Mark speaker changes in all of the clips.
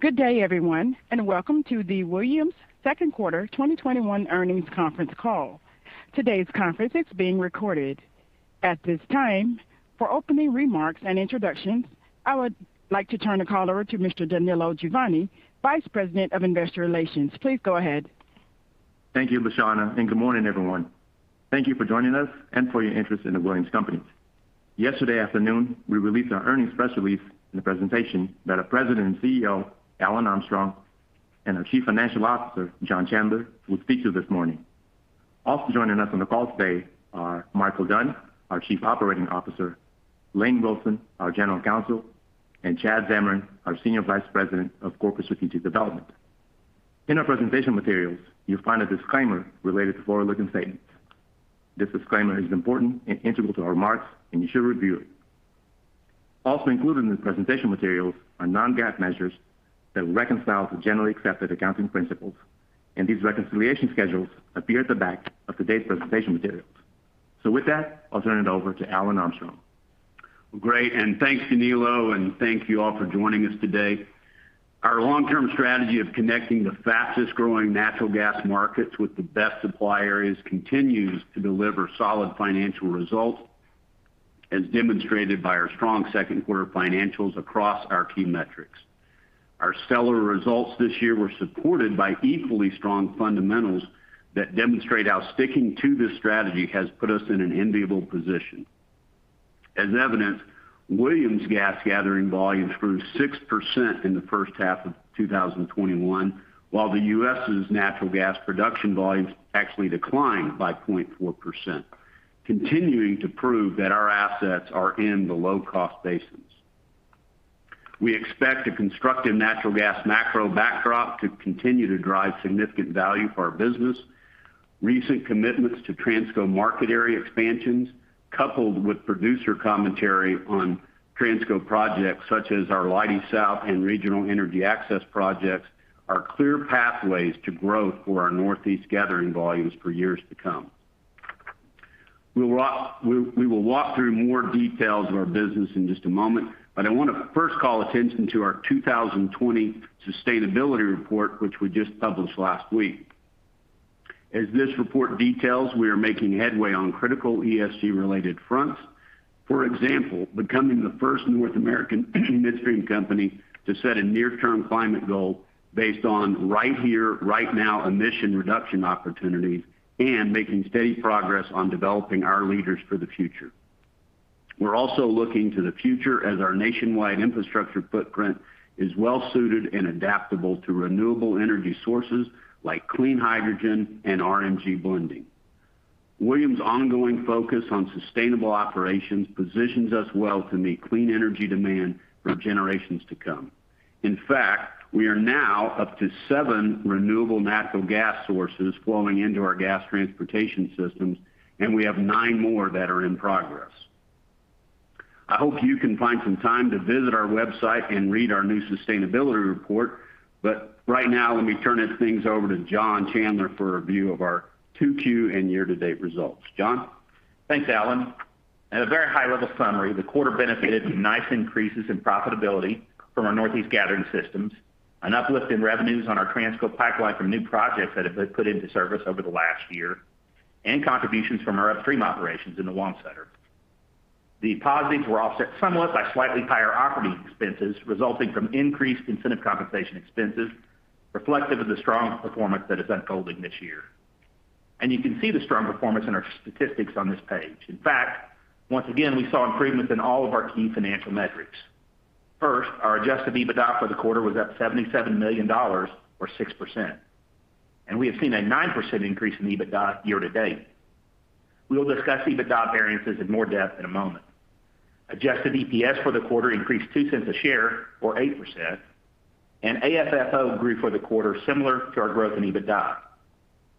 Speaker 1: Good day, everyone, welcome to the Williams second quarter 2021 earnings conference call. Today's conference is being recorded. At this time, for opening remarks and introductions, I would like to turn the call over to Mr. Danilo Juvane, Vice President of Investor Relations. Please go ahead.
Speaker 2: Thank you, Lashana. Good morning, everyone. Thank you for joining us and for your interest in The Williams Companies. Yesterday afternoon, we released our earnings press release and the presentation that our President and CEO, Alan Armstrong, and our Chief Financial Officer, John Chandler, will speak to this morning. Also joining us on the call today are Micheal Dunn, our Chief Operating Officer, Lane Wilson, our General Counsel, and Chad Zamarin, our Senior Vice President of Corporate Strategic Development. In our presentation materials, you'll find a disclaimer related to forward-looking statements. This disclaimer is important and integral to our remarks. You should review it. Also included in the presentation materials are non-GAAP measures that reconcile to generally accepted accounting principles. These reconciliation schedules appear at the back of today's presentation materials. With that, I'll turn it over to Alan Armstrong.
Speaker 3: Great, thanks, Danilo, and thank you all for joining us today. Our long-term strategy of connecting the fastest-growing natural gas markets with the best supply areas continues to deliver solid financial results, as demonstrated by our strong second quarter financials across our key metrics. Our stellar results this year were supported by equally strong fundamentals that demonstrate how sticking to this strategy has put us in an enviable position. As evidenced, Williams gas gathering volumes grew 6% in the first half of 2021, while the U.S.'s natural gas production volumes actually declined by 0.4%, continuing to prove that our assets are in the low-cost basins. We expect a constructive natural gas macro backdrop to continue to drive significant value for our business. Recent commitments to Transco market area expansions, coupled with producer commentary on Transco projects such as our Leidy South and Regional Energy Access projects, are clear pathways to growth for our Northeast gathering volumes for years to come. We will walk through more details of our business in just a moment, but I want to first call attention to our 2020 sustainability report, which we just published last week. As this report details, we are making headway on critical ESG-related fronts. For example, becoming the first North American midstream company to set a near-term climate goal based on right here, right now emission reduction opportunities, and making steady progress on developing our leaders for the future. We're also looking to the future as our nationwide infrastructure footprint is well-suited and adaptable to renewable energy sources like clean hydrogen and RNG blending. Williams' ongoing focus on sustainable operations positions us well to meet clean energy demand for generations to come. In fact, we are now up to seven renewable natural gas sources flowing into our gas transportation systems, and we have nine more that are in progress. I hope you can find some time to visit our website and read our new sustainability report. Right now, let me turn things over to John Chandler for a view of our 2Q and year-to-date results. John?
Speaker 4: Thanks, Alan. At a very high-level summary, the quarter benefited from nice increases in profitability from our Northeast gathering systems, an uplift in revenues on our Transco pipeline from new projects that have been put into service over the last year, and contributions from our upstream operations in the Wamsutter. The positives were offset somewhat by slightly higher operating expenses resulting from increased incentive compensation expenses reflective of the strong performance that is unfolding this year. You can see the strong performance in our statistics on this page. In fact, once again, we saw improvements in all of our key financial metrics. First, our adjusted EBITDA for the quarter was up $77 million, or 6%, and we have seen a 9% increase in EBITDA year to date. We will discuss EBITDA variances in more depth in a moment. Adjusted EPS for the quarter increased $0.02 a share, or 8%, and AFFO grew for the quarter similar to our growth in EBITDA.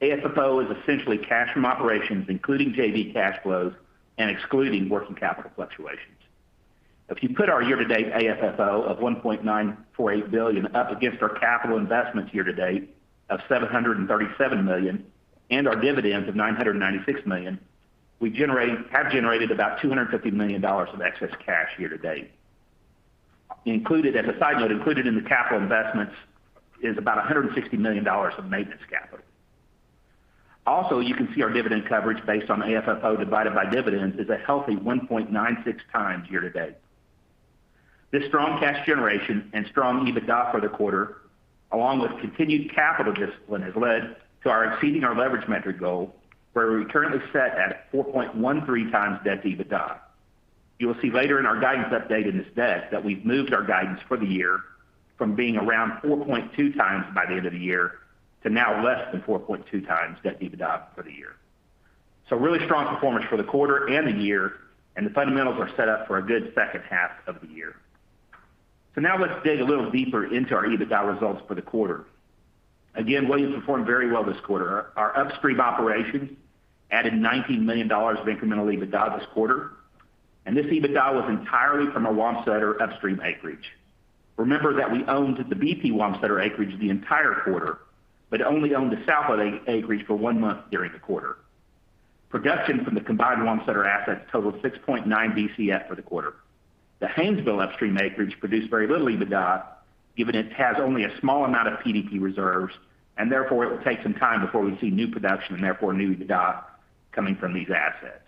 Speaker 4: AFFO is essentially cash from operations, including JV cash flows and excluding working capital fluctuations. If you put our year-to-date AFFO of $1.948 billion up against our capital investments year-to-date of $737 million and our dividends of $996 million, we have generated about $250 million of excess cash year-to-date. As a side note, included in the capital investments is about $160 million of maintenance capital. You can see our dividend coverage based on the AFFO divided by dividends is a healthy 1.96x year-to-date. This strong cash generation and strong EBITDA for the quarter, along with continued capital discipline, has led to our exceeding our leverage metric goal, where we currently sit at 4.13x debt to EBITDA. You will see later in our guidance update in this deck that we've moved our guidance for the year from being around 4.2x by the end of the year to now less than 4.2x debt to EBITDA for the year. Really strong performance for the quarter and the year, the fundamentals are set up for a good second half of the year. Now let's dig a little deeper into our EBITDA results for the quarter. Again, Williams performed very well this quarter. Our upstream operations added $90 million of incremental EBITDA this quarter, this EBITDA was entirely from the Wamsutter upstream acreage. Remember that we owned the BP Wamsutter acreage the entire quarter, only owned the South Wamsutter acreage for one month during the quarter. Production from the combined Wamsutter assets totaled 6.9 Bcf for the quarter. The Haynesville upstream acreage produced very little EBITDA, given it has only a small amount of PDP reserves, therefore it will take some time before we see new production and therefore new EBITDA coming from these assets.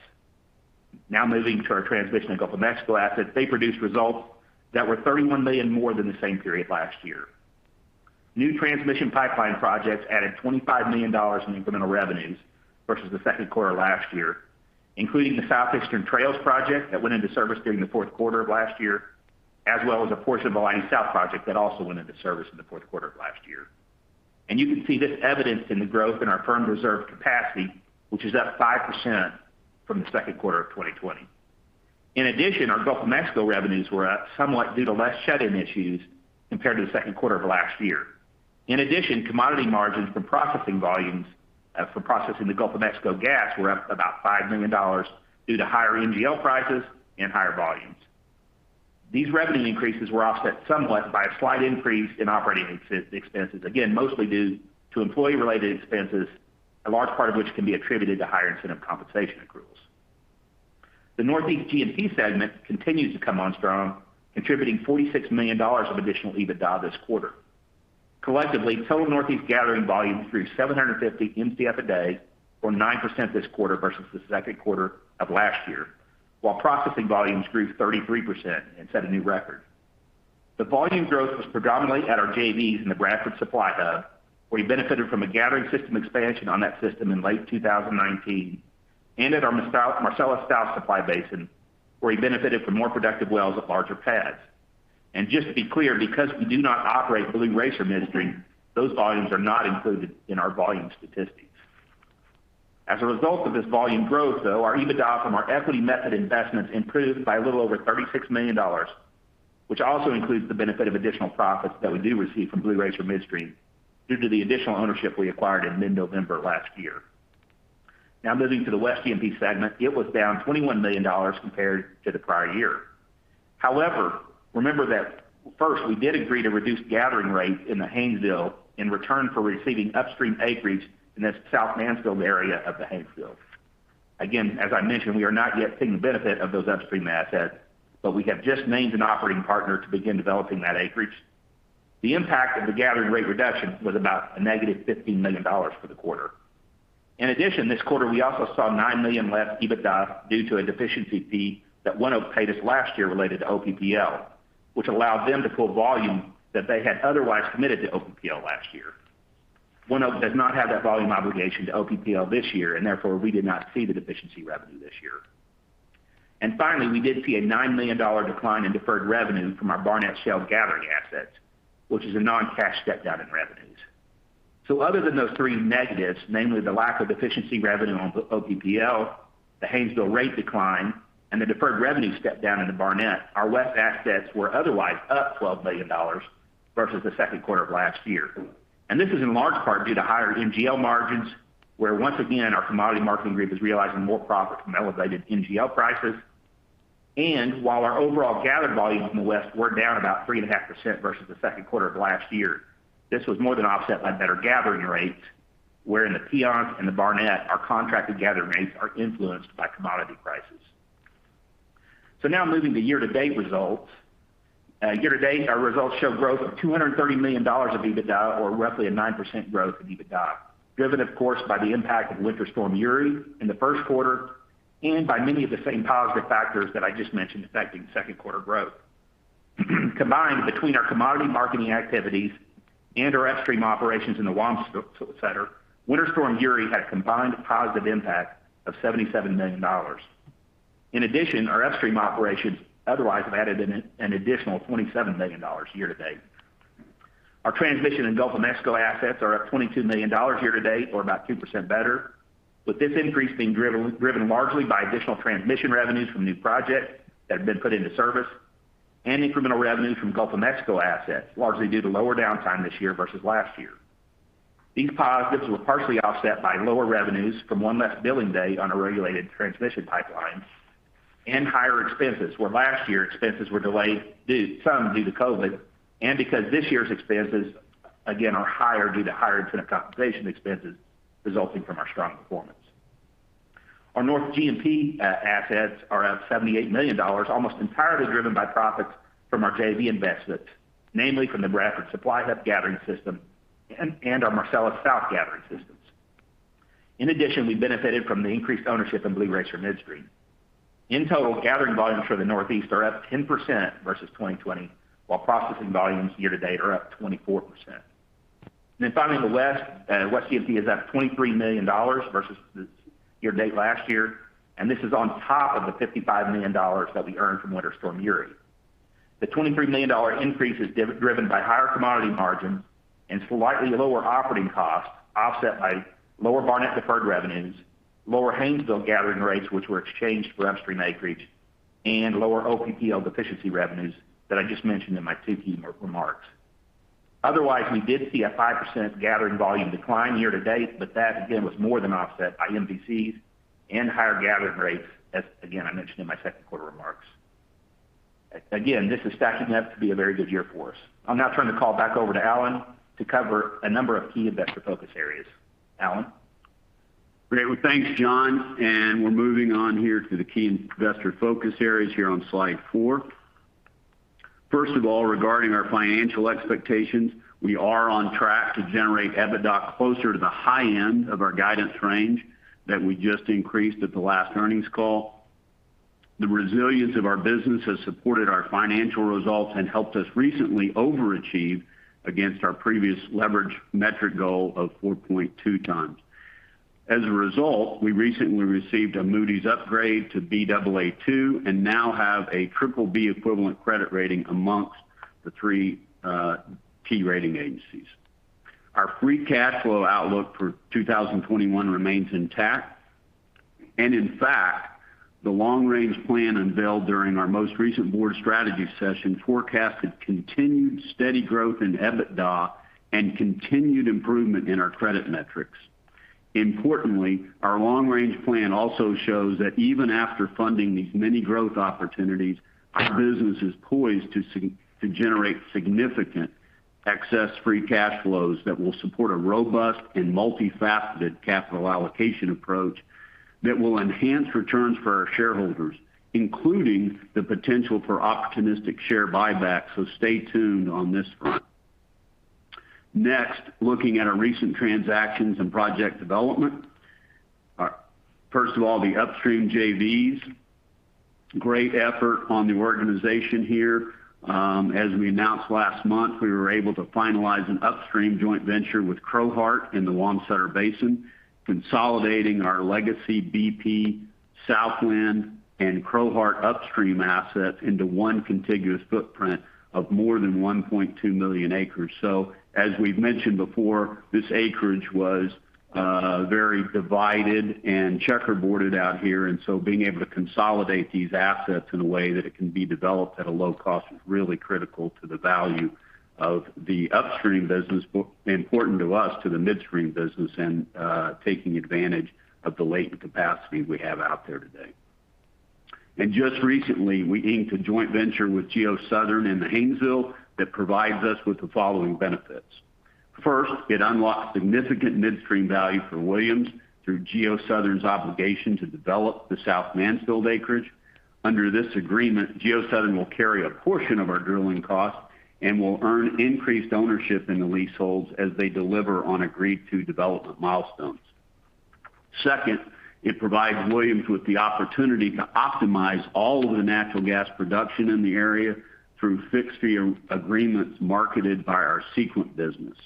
Speaker 4: Moving to our Transmission and Gulf of Mexico assets. They produced results that were $31 million more than the same period last year. New transmission pipeline projects added $25 million in incremental revenues versus the second quarter of last year, including the Southeastern Trail project that went into service during the fourth quarter of last year, as well as a portion of the AllianceSouth project that also went into service in the fourth quarter of last year. You can see this evidenced in the growth in our firm reserve capacity, which is up 5% from the second quarter of 2020. Our Gulf of Mexico revenues were up somewhat due to less shut-in issues compared to the second quarter of last year. Commodity margins for processing the Gulf of Mexico gas were up about $5 million due to higher NGL prices and higher volumes. These revenue increases were offset somewhat by a slight increase in operating expenses, again, mostly due to employee-related expenses, a large part of which can be attributed to higher incentive compensation accruals. The Northeast G&P segment continues to come on strong, contributing $46 million of additional EBITDA this quarter. Collectively, total Northeast gathering volumes grew 750 Mcf a day or 9% this quarter versus the second quarter of last year, while processing volumes grew 33% and set a new record. The volume growth was predominantly at our JVs in the Bradford Supply Hub, where we benefited from a gathering system expansion on that system in late 2019 and at our Marcellus South Supply Basin, where we benefited from more productive wells at larger pads. Just to be clear, because we do not operate Blue Racer Midstream, those volumes are not included in our volume statistics. As a result of this volume growth, though, our EBITDA from our equity method investments improved by a little over $36 million, which also includes the benefit of additional profits that we do receive from Blue Racer Midstream due to the additional ownership we acquired in mid-November last year. Moving to the West G&P segment. It was down $21 million compared to the prior year. Remember that first we did agree to reduce gathering rates in the Haynesville in return for receiving upstream acreage in the South Mansfield area of the Haynesville. As I mentioned, we are not yet seeing the benefit of those upstream assets, but we have just named an operating partner to begin developing that acreage. The impact of the gathering rate reduction was about a -$15 million for the quarter. This quarter, we also saw $9 million less EBITDA due to a deficiency fee that ONEOK paid us last year related to OPPL, which allowed them to pull volume that they had otherwise committed to OPPL last year. ONEOK does not have that volume obligation to OPPL this year, therefore, we did not see the deficiency revenue this year. Finally, we did see a $9 million decline in deferred revenue from our Barnett Shale gathering assets, which is a non-cash step-down in revenues. Other than those three negatives, namely the lack of efficiency revenue on OPPL, the Haynesville rate decline, and the deferred revenue step-down in the Barnett, our West assets were otherwise up $12 million versus the second quarter of last year. This is in large part due to higher NGL margins, where once again our commodity marketing group is realizing more profit from elevated NGL prices. While our overall gathered volumes in the West were down about 3.5% versus the second quarter of last year, this was more than offset by better gathering rates, where in the Peetz and the Barnett, our contracted gathering rates are influenced by commodity prices. Now moving to year-to-date results. Year to date, our results show growth of $230 million of EBITDA or roughly a 9% growth in EBITDA, driven, of course, by the impact of Winter Storm Uri in the first quarter, and by many of the same positive factors that I just mentioned affecting second quarter growth. Combined between our commodity marketing activities and our upstream operations in the Wamsutter, Winter Storm Uri had a combined positive impact of $77 million. In addition, our upstream operations otherwise have added an additional $27 million year to date. Our transmission and Gulf of Mexico assets are up $22 million year to date, or about 2% better, with this increase being driven largely by additional transmission revenues from new projects that have been put into service and incremental revenues from Gulf of Mexico assets, largely due to lower downtime this year versus last year. These positives were partially offset by lower revenues from one less billing day on a regulated transmission pipeline and higher expenses, where last year expenses were delayed, some due to COVID, and because this year's expenses again are higher due to higher incentive compensation expenses resulting from our strong performance. Our North G&P assets are up $78 million, almost entirely driven by profits from our JV investments, namely from the Bradford Supply Hub gathering system and our Marcellus South gathering systems. In addition, we benefited from the increased ownership in Blue Racer Midstream. In total, gathering volumes for the Northeast are up 10% versus 2020, while processing volumes year to date are up 24%. Finally, in the West G&P is up $23 million versus this year to date last year, and this is on top of the $55 million that we earned from Winter Storm Uri. The $23 million increase is driven by higher commodity margins and slightly lower operating costs offset by lower Barnett deferred revenues, lower Haynesville gathering rates, which were exchanged for upstream acreage, and lower OPPL deficiency revenues that I just mentioned in my 2Q remarks. We did see a 5% gathering volume decline year-to-date, but that again, was more than offset by MVCs and higher gathering rates, as again, I mentioned in my second quarter remarks. This is stacking up to be a very good year for us. I'll now turn the call back over to Alan to cover a number of key investor focus areas. Alan?
Speaker 3: Great. Well, thanks, John. We're moving on here to the key investor focus areas here on slide four. First of all, regarding our financial expectations, we are on track to generate EBITDA closer to the high end of our guidance range that we just increased at the last earnings call. The resilience of our business has supported our financial results and helped us recently overachieve against our previous leverage metric goal of 4.2x. As a result, we recently received a Moody's upgrade to Baa2, and now have a BBB equivalent credit rating amongst the three key rating agencies. Our free cash flow outlook for 2021 remains intact. In fact, the long-range plan unveiled during our most recent board strategy session forecasted continued steady growth in EBITDA, and continued improvement in our credit metrics. Our long-range plan also shows that even after funding these many growth opportunities, our business is poised to generate significant excess free cash flows that will support a robust and multifaceted capital allocation approach that will enhance returns for our shareholders, including the potential for opportunistic share buybacks. Stay tuned on this front. Looking at our recent transactions and project development. The upstream JVs. Great effort on the organization here. As we announced last month, we were able to finalize an upstream joint venture with Crowheart in the Wamsutter Basin, consolidating our legacy BP, Southland, and Crowheart upstream assets into one contiguous footprint of more than 1.2 million acres. As we've mentioned before, this acreage was very divided and checkerboarded out here. Being able to consolidate these assets in a way that it can be developed at a low cost is really critical to the value of the upstream business, important to us, to the midstream business, and taking advantage of the latent capacity we have out there today. Just recently, we inked a joint venture with GeoSouthern in the Haynesville that provides us with the following benefits. First, it unlocks significant midstream value for Williams through GeoSouthern's obligation to develop the South Mansfield acreage. Under this agreement, GeoSouthern will carry a portion of our drilling costs and will earn increased ownership in the leaseholds as they deliver on agreed-to development milestones. Second, it provides Williams with the opportunity to optimize all of the natural gas production in the area through fixed-fee agreements marketed by our Sequent business.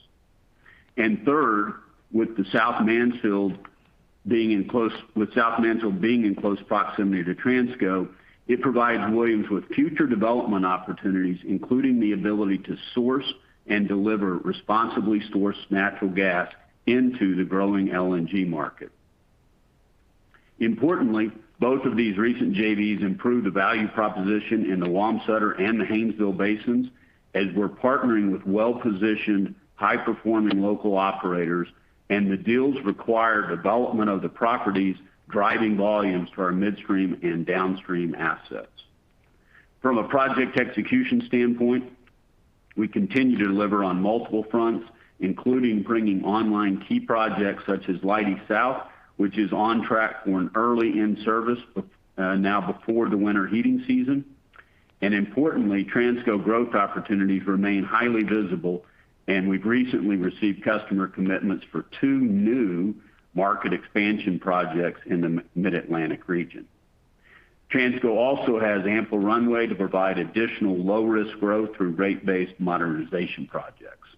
Speaker 3: Third, with South Mansfield being in close proximity to Transco, it provides Williams with future development opportunities, including the ability to source and deliver responsibly sourced natural gas into the growing LNG market. Importantly, both of these recent JVs improve the value proposition in the Wamsutter and the Haynesville basins as we're partnering with well-positioned, high-performing local operators. The deals require development of the properties, driving volumes for our midstream and downstream assets. From a project execution standpoint, we continue to deliver on multiple fronts, including bringing online key projects such as Leidy South, which is on track for an early in-service now before the winter heating season. Importantly, Transco growth opportunities remain highly visible. We've recently received customer commitments for 2 new market expansion projects in the Mid-Atlantic region. Transco also has ample runway to provide additional low-risk growth through rate-based modernization projects.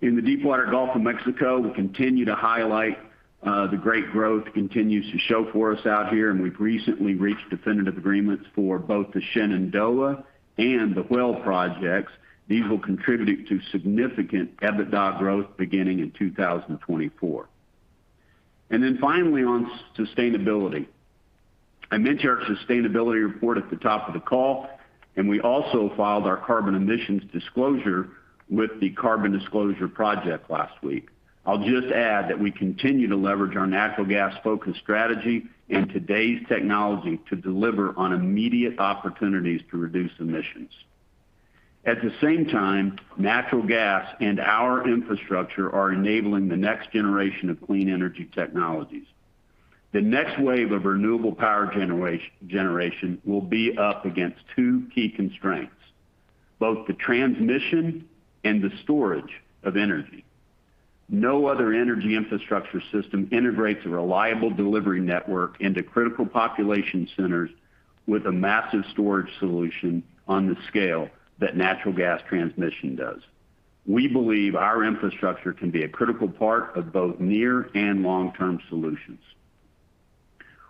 Speaker 3: In the Deepwater Gulf of Mexico, we continue to highlight the great growth continues to show for us out here, and we've recently reached definitive agreements for both the Shenandoah and the Whale projects. These will contribute to significant EBITDA growth beginning in 2024. Finally, on sustainability. I mentioned our sustainability report at the top of the call, and we also filed our carbon emissions disclosure with the Carbon Disclosure Project last week. I'll just add that we continue to leverage our natural gas-focused strategy and today's technology to deliver on immediate opportunities to reduce emissions. At the same time, natural gas and our infrastructure are enabling the next generation of clean energy technologies. The next wave of renewable power generation will be up against two key constraints, both the transmission and the storage of energy. No other energy infrastructure system integrates a reliable delivery network into critical population centers with a massive storage solution on the scale that natural gas transmission does. We believe our infrastructure can be a critical part of both near and long-term solutions.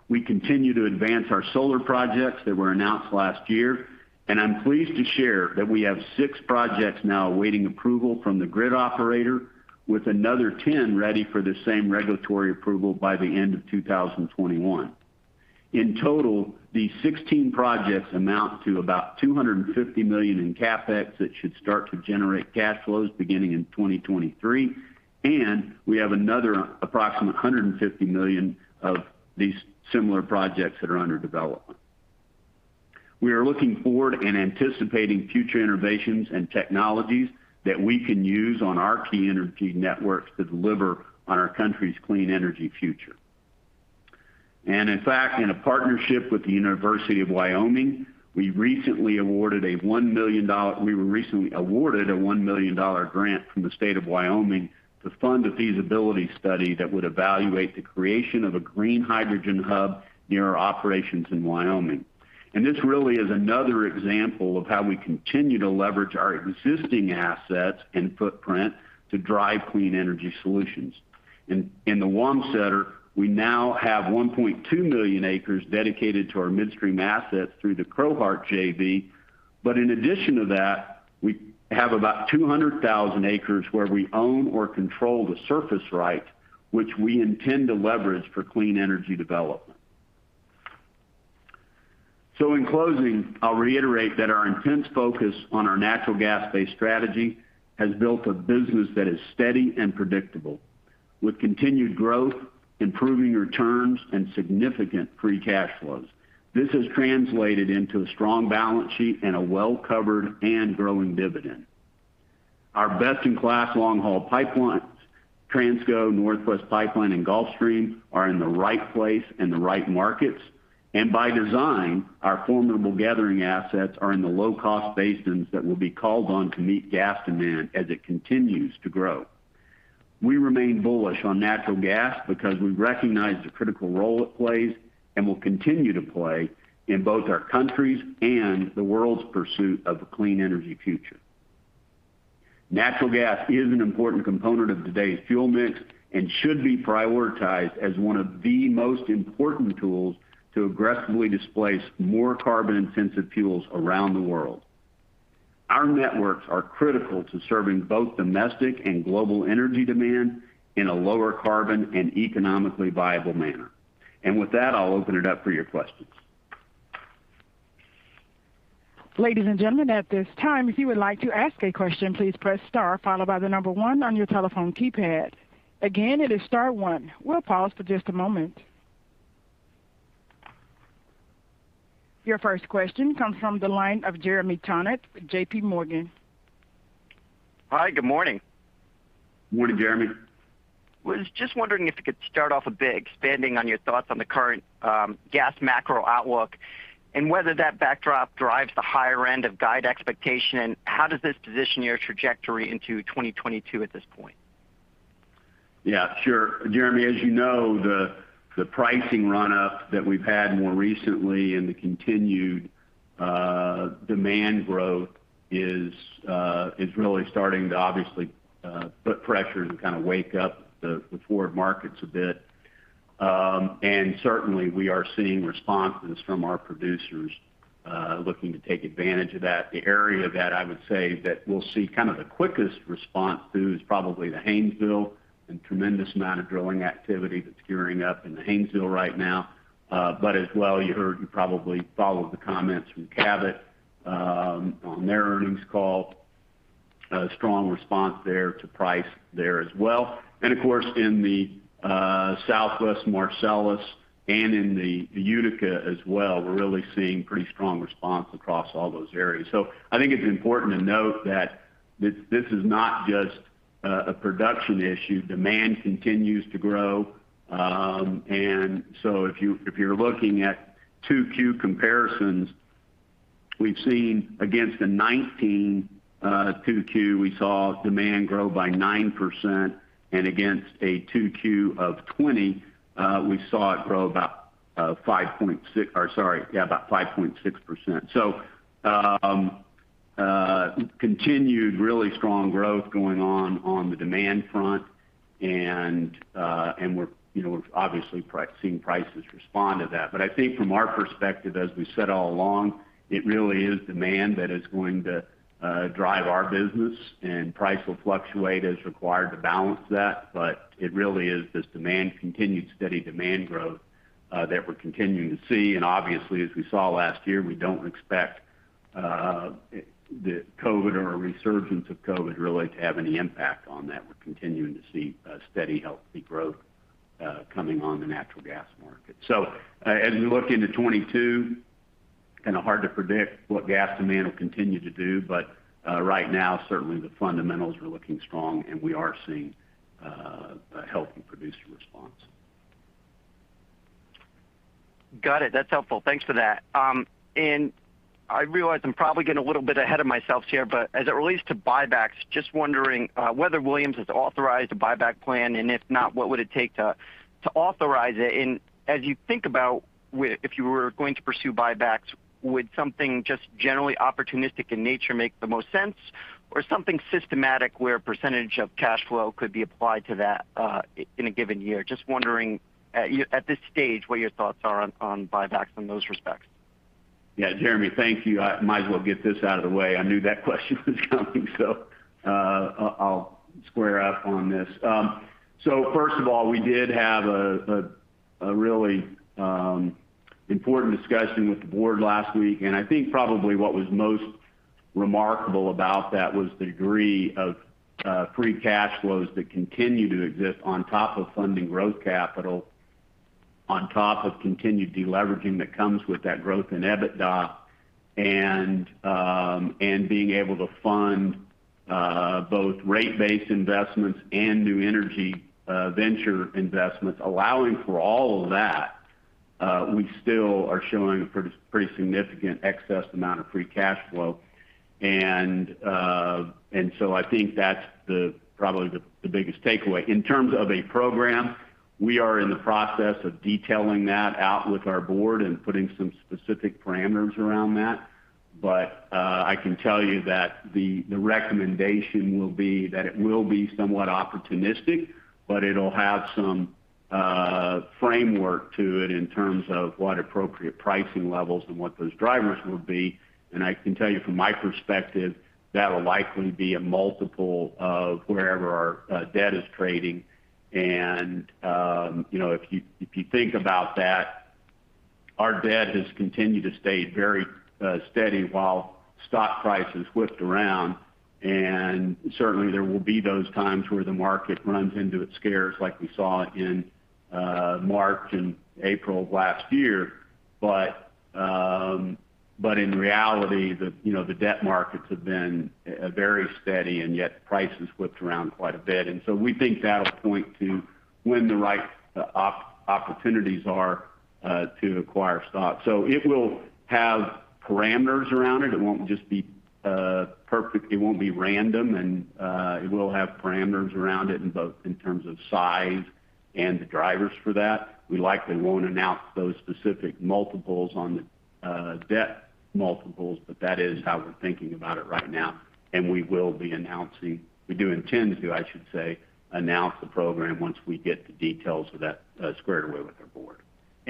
Speaker 3: We continue to advance our solar projects that were announced last year, and I'm pleased to share that we have six projects now awaiting approval from the grid operator, with another 10 ready for the same regulatory approval by the end of 2021. In total, these 16 projects amount to about $250 million in CapEx that should start to generate cash flows beginning in 2023, and we have another approximate $150 million of these similar projects that are under development. We are looking forward and anticipating future innovations and technologies that we can use on our key energy networks to deliver on our country's clean energy future. In fact, in a partnership with the University of Wyoming, we were recently awarded a $1 million grant from the state of Wyoming to fund a feasibility study that would evaluate the creation of a green hydrogen hub near our operations in Wyoming. This really is another example of how we continue to leverage our existing assets and footprint to drive clean energy solutions. In the Wamsutter, we now have 1.2 million acres dedicated to our midstream assets through the Crowheart JV, in addition to that, we have about 200,000 acres where we own or control the surface right, which we intend to leverage for clean energy development. In closing, I'll reiterate that our intense focus on our natural gas-based strategy has built a business that is steady and predictable, with continued growth, improving returns, and significant free cash flows. This has translated into a strong balance sheet and a well-covered and growing dividend. Our best-in-class long-haul pipelines, Transco, Northwest Pipeline, and Gulfstream, are in the right place and the right markets. By design, our formidable gathering assets are in the low-cost basins that will be called on to meet gas demand as it continues to grow. We remain bullish on natural gas because we recognize the critical role it plays and will continue to play in both our country's and the world's pursuit of a clean energy future. Natural gas is an important component of today's fuel mix and should be prioritized as one of the most important tools to aggressively displace more carbon-intensive fuels around the world. Our networks are critical to serving both domestic and global energy demand in a lower carbon and economically viable manner. With that, I'll open it up for your questions.
Speaker 1: Ladies and gentlemen, at this time, if you would like to ask a question, please press star, followed by the number one on your telephone keypad. Again, it is star one. We'll pause for just a moment. Your first question comes from the line of Jeremy Tonet with JPMorgan.
Speaker 5: Hi, good morning.
Speaker 3: Morning, Jeremy.
Speaker 5: Was just wondering if you could start off a bit expanding on your thoughts on the current gas macro outlook and whether that backdrop drives the higher end of guide expectation, and how does this position your trajectory into 2022 at this point?
Speaker 3: Yeah, sure. Jeremy, as you know, the pricing run-up that we've had more recently and the continued demand growth is really starting to obviously put pressures and kind of wake up the forward markets a bit. Certainly, we are seeing responses from our producers looking to take advantage of that. The area that I would say that we'll see kind of the quickest response to is probably the Haynesville and tremendous amount of drilling activity that's gearing up in the Haynesville right now. As well, you probably followed the comments from Cabot on their earnings call. A strong response there to price there as well. Of course, in the Southwest Marcellus and in the Utica as well, we're really seeing pretty strong response across all those areas. I think it's important to note that this is not just a production issue. Demand continues to grow. If you're looking at 2Q comparisons, we've seen against the 2019, 2Q, we saw demand grow by 9%, and against a 2Q of 2020, we saw it grow about 5.6%. Continued really strong growth going on on the demand front, and we're obviously seeing prices respond to that. I think from our perspective, as we said all along, it really is demand that is going to drive our business, and price will fluctuate as required to balance that. It really is this demand, continued steady demand growth, that we're continuing to see. Obviously, as we saw last year, we don't expect the COVID or a resurgence of COVID really to have any impact on that. We're continuing to see steady, healthy growth coming on the natural gas market. As we look into 2022, kind of hard to predict what gas demand will continue to do. Right now, certainly the fundamentals are looking strong, and we are seeing a healthy producer response.
Speaker 5: Got it. That's helpful. Thanks for that. I realize I'm probably getting a little bit ahead of myself here, but as it relates to buybacks, just wondering whether Williams has authorized a buyback plan, and if not, what would it take to authorize it? As you think about if you were going to pursue buybacks, would something just generally opportunistic in nature make the most sense or something systematic where a percentage of cash flow could be applied to that in a given year? Just wondering at this stage what your thoughts are on buybacks in those respects.
Speaker 3: Jeremy, thank you. I might as well get this out of the way. I knew that question was coming. I'll square up on this. First of all, we did have a really important discussion with the board last week, and I think probably what was most remarkable about that was the degree of free cash flows that continue to exist on top of funding growth capital, on top of continued deleveraging that comes with that growth in EBITDA, being able to fund both rate-based investments and new energy venture investments. Allowing for all of that, we still are showing a pretty significant excess amount of free cash flow. I think that's probably the biggest takeaway. In terms of a program, we are in the process of detailing that out with our board and putting some specific parameters around that. I can tell you that the recommendation will be that it will be somewhat opportunistic, but it'll have some framework to it in terms of what appropriate pricing levels and what those drivers would be. I can tell you from my perspective, that'll likely be a multiple of wherever our debt is trading. If you think about that, our debt has continued to stay very steady while stock prices whipped around. Certainly, there will be those times where the market runs into its scares, like we saw in March and April of last year. In reality, the debt markets have been very steady, and yet prices whipped around quite a bit. We think that'll point to when the right opportunities are to acquire stock. It will have parameters around it. It won't just be perfect. It won't be random, and it will have parameters around it in terms of size and the drivers for that. We likely won't announce those specific multiples on the debt multiples, but that is how we're thinking about it right now. We do intend to, I should say, announce the program once we get the details of that squared away with our board.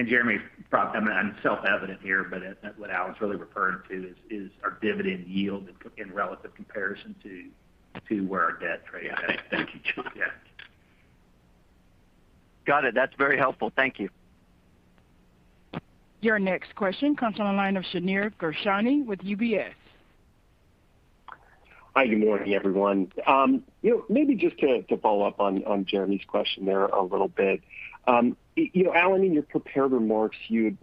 Speaker 4: Jeremy, I'm self-evident here, but what Alan's really referring to is our dividend yield in relative comparison to where our debt trades.
Speaker 3: Thank you, John.
Speaker 4: Yeah.
Speaker 5: Got it. That's very helpful. Thank you.
Speaker 1: Your next question comes on the line of Shneur Gershuni with UBS.
Speaker 6: Hi, good morning, everyone. Just to follow-up on Jeremy's question there a little bit. Alan, in your prepared remarks, you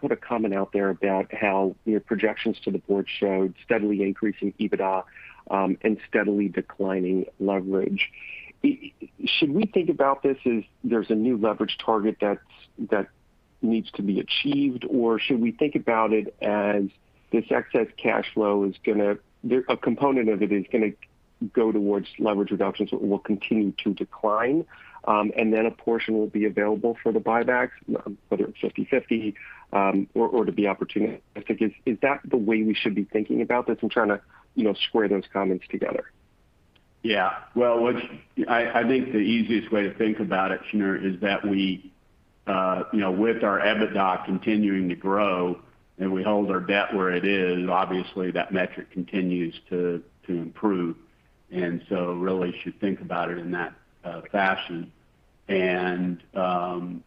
Speaker 6: put a comment out there about how your projections to the board showed steadily increasing EBITDA and steadily declining leverage. Should we think about this as there's a new leverage target that needs to be achieved, or should we think about it as this excess cash flow, a component of it is going to go towards leverage reductions, will continue to decline, and then a portion will be available for the buybacks, whether it's 50/50 or to be opportunistic? Is that the way we should be thinking about this? I'm trying to square those comments together.
Speaker 3: Yeah. Well, I think the easiest way to think about it, Shneur, is that with our EBITDA continuing to grow and we hold our debt where it is, obviously, that metric continues to improve, and so really should think about it in that fashion. That's the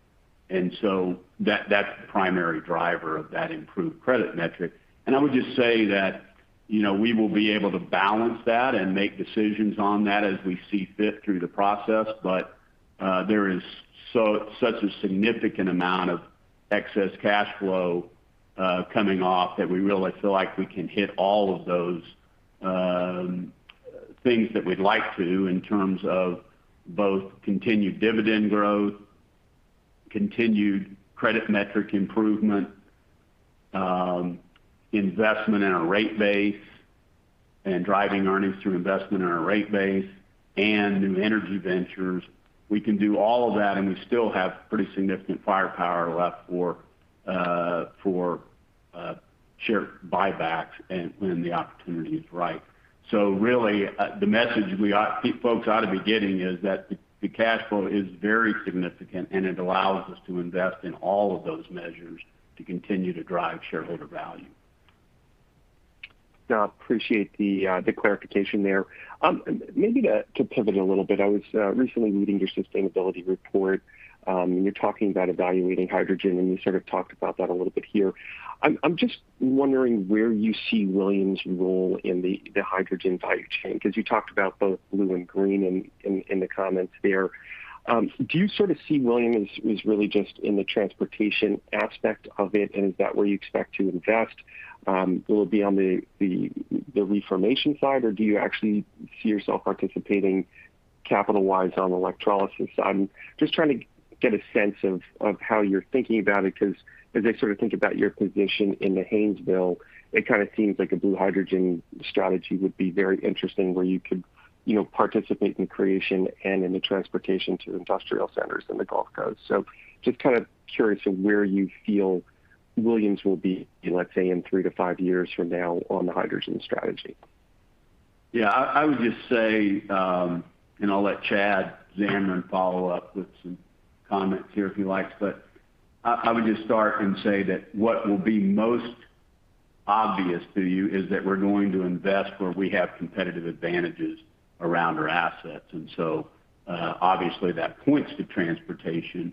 Speaker 3: primary driver of that improved credit metric. I would just say that we will be able to balance that and make decisions on that as we see fit through the process. There is such a significant amount of excess cash flow coming off that we really feel like we can hit all of those things that we'd like to in terms of both continued dividend growth, continued credit metric improvement, investment in our rate base, and driving earnings through investment in our rate base and new energy ventures. We can do all of that, and we still have pretty significant firepower left for share buybacks and when the opportunity is right. Really, the message folks ought to be getting is that the cash flow is very significant, and it allows us to invest in all of those measures to continue to drive shareholder value.
Speaker 6: Appreciate the clarification there. To pivot a little bit, I was recently reading your sustainability report. You're talking about evaluating hydrogen. You sort of talked about that a little bit here. I'm just wondering where you see Williams' role in the hydrogen value chain, because you talked about both blue and green in the comments there. Do you sort of see Williams as really just in the transportation aspect of it? Is that where you expect to invest? Will it be on the reformation side, or do you actually see yourself participating capital-wise on electrolysis? I'm just trying to get a sense of how you're thinking about it, because as I think about your position in the Haynesville, it kind of seems like a blue hydrogen strategy would be very interesting, where you could participate in creation and in the transportation to industrial centers in the Gulf Coast. Just kind of curious of where you feel Williams will be, let's say, in three to five years from now on the hydrogen strategy.
Speaker 3: Yeah, I would just say, and I'll let Chad Zamarin follow-up with some comments here if he likes, but I would just start and say that what will be most obvious to you is that we're going to invest where we have competitive advantages around our assets. Obviously, that points to transportation.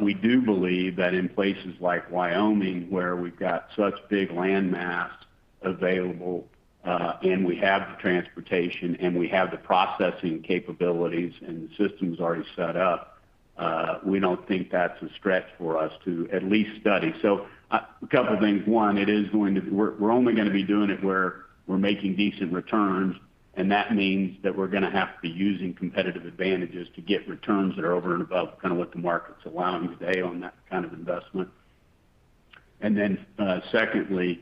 Speaker 3: We do believe that in places like Wyoming, where we've got such big land mass available, and we have the transportation and we have the processing capabilities, and the system's already set up, we don't think that's a stretch for us to at least study. A couple things. One, we're only going to be doing it where we're making decent returns, and that means that we're going to have to be using competitive advantages to get returns that are over and above what the market's allowing today on that kind of investment. Secondly,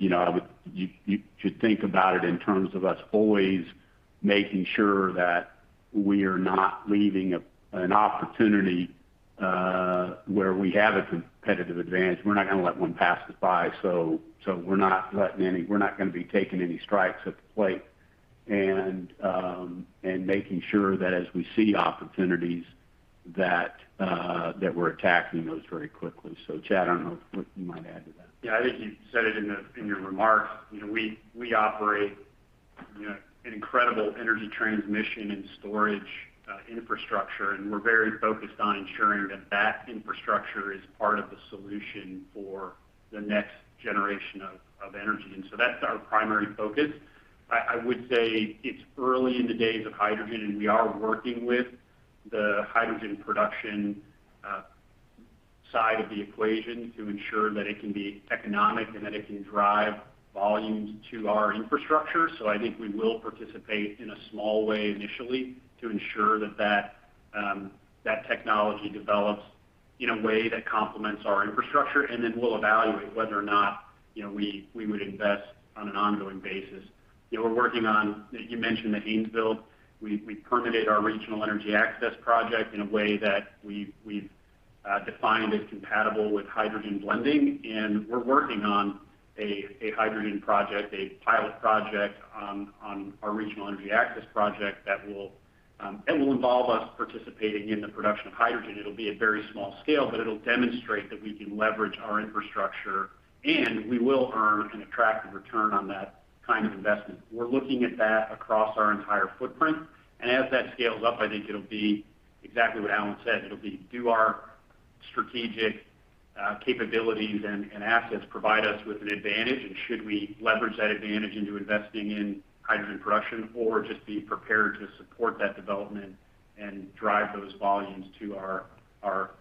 Speaker 3: you should think about it in terms of us always making sure that we are not leaving an opportunity where we have a competitive advantage. We're not going to let one pass us by. We're not going to be taking any strikes at the plate, and making sure that as we see opportunities, that we're attacking those very quickly. Chad, I don't know what you might add to that.
Speaker 7: Yeah, I think you said it in your remarks. We operate an incredible energy transmission and storage infrastructure, and we're very focused on ensuring that that infrastructure is part of the solution for the next generation of energy. That's our primary focus. I would say it's early in the days of hydrogen, and we are working with the hydrogen production side of the equation to ensure that it can be economic and that it can drive volumes to our infrastructure. I think we will participate in a small way initially to ensure that technology develops in a way that complements our infrastructure. We'll evaluate whether or not we would invest on an ongoing basis. We're working on, you mentioned the Haynesville. We permitted our Regional Energy Access project in a way that we've defined as compatible with hydrogen blending, and we're working on a hydrogen project, a pilot project on our Regional Energy Access project that will involve us participating in the production of hydrogen. It'll be a very small scale, but it'll demonstrate that we can leverage our infrastructure, and we will earn an attractive return on that kind of investment. We're looking at that across our entire footprint, and as that scales up, I think it'll be exactly what Alan said. It'll be, do our strategic capabilities and assets provide us with an advantage? Should we leverage that advantage into investing in hydrogen production or just be prepared to support that development and drive those volumes to our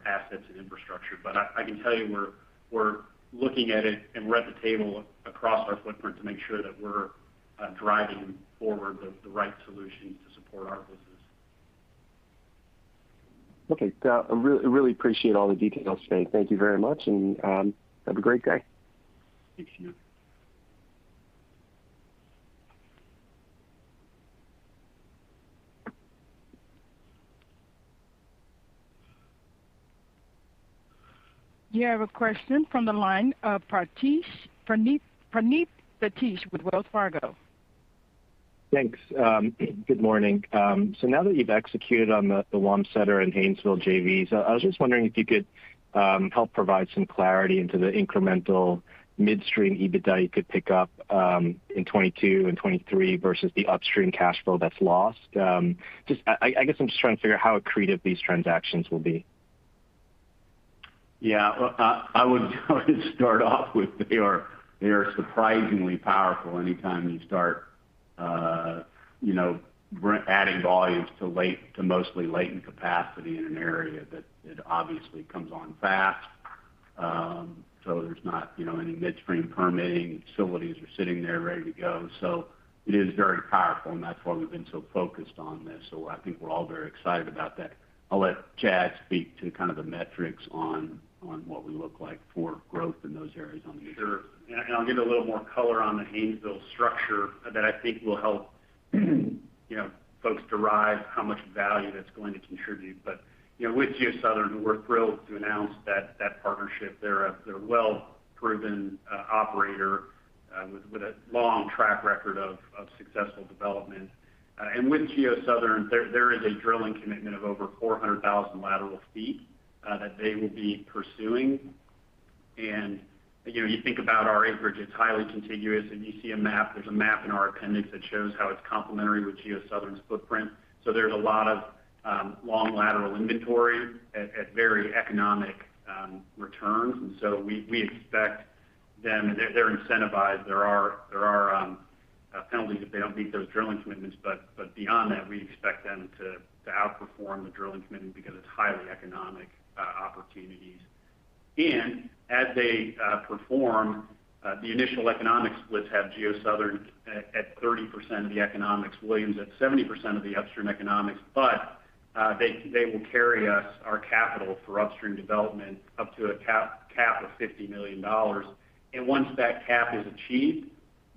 Speaker 7: assets and infrastructure? I can tell you we're looking at it, and we're at the table across our footprint to make sure that we're driving forward the right solutions to support our business.
Speaker 6: Okay. I really appreciate all the details today. Thank you very much, and have a great day.
Speaker 7: Thank you.
Speaker 1: You have a question from the line of Praneeth Satish with Wells Fargo.
Speaker 8: Thanks. Good morning. Now that you've executed on the Wamsutter and Haynesville JVs, I was just wondering if you could help provide some clarity into the incremental midstream EBITDA you could pick up in 2022 and 2023 versus the upstream cash flow that's lost. I guess I'm just trying to figure out how accretive these transactions will be.
Speaker 3: Yeah. I would start off with, they are surprisingly powerful anytime you start adding volumes to mostly latent capacity in an area that it obviously comes on fast. There's not any midstream permitting. Facilities are sitting there ready to go. It is very powerful, and that's why we've been so focused on this. I think we're all very excited about that. I'll let Chad speak to kind of the metrics on what we look like for growth in those areas.
Speaker 7: Sure. I'll give a little more color on the Haynesville structure that I think will help folks derive how much value that's going to contribute. With GeoSouthern, we're thrilled to announce that partnership. They're a well-proven operator with a long track record of successful development. With GeoSouthern, there is a drilling commitment of over 400,000 lateral feet that they will be pursuing. You think about our acreage, it's highly contiguous. If you see a map, there's a map in our appendix that shows how it's complementary with GeoSouthern's footprint. There's a lot of long lateral inventory at very economic returns. They're incentivized. There are penalties if they don't meet those drilling commitments. Beyond that, we expect them to outperform the drilling commitment because it's highly economic opportunities. As they perform, the initial economics splits have GeoSouthern at 30% of the economics, Williams at 70% of the upstream economics. They will carry us, our capital for upstream development, up to a cap of $50 million. Once that cap is achieved,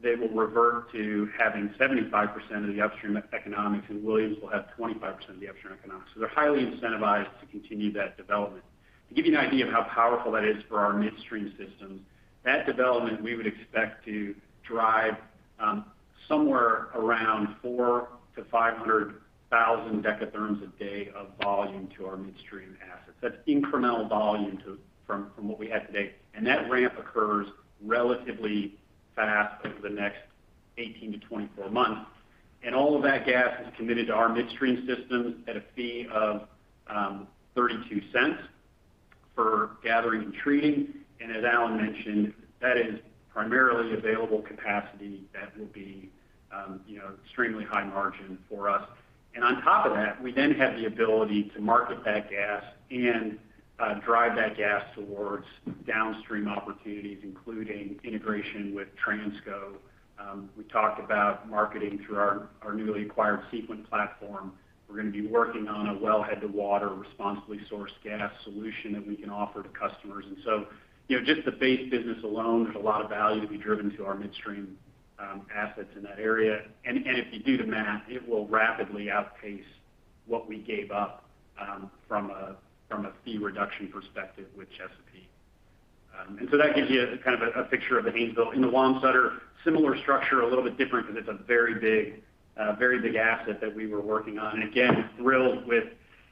Speaker 7: they will revert to having 75% of the upstream economics, and Williams will have 25% of the upstream economics. They're highly incentivized to continue that development. To give you an idea of how powerful that is for our midstream systems, that development we would expect to drive somewhere around 4 to 500,000 dekatherms a day of volume to our midstream assets. That's incremental volume from what we have today. That ramp occurs relatively fast over the next 18-24 months. All of that gas is committed to our midstream systems at a fee of $0.32 for gathering and treating. As Alan mentioned, that is primarily available capacity that will be extremely high-margin for us. On top of that, we then have the ability to market that gas and drive that gas towards downstream opportunities, including integration with Transco. We talked about marketing through our newly acquired Sequent platform. We're going to be working on a wellhead-to-water responsibly sourced gas solution that we can offer to customers. Just the base business alone, there's a lot of value to be driven to our midstream assets in that area. If you do the math, it will rapidly outpace what we gave up from a fee reduction perspective with Chesapeake. That gives you a picture of the Haynesville. In the Wamsutter, similar structure, a little bit different because it's a very big asset that we were working on. Again, thrilled with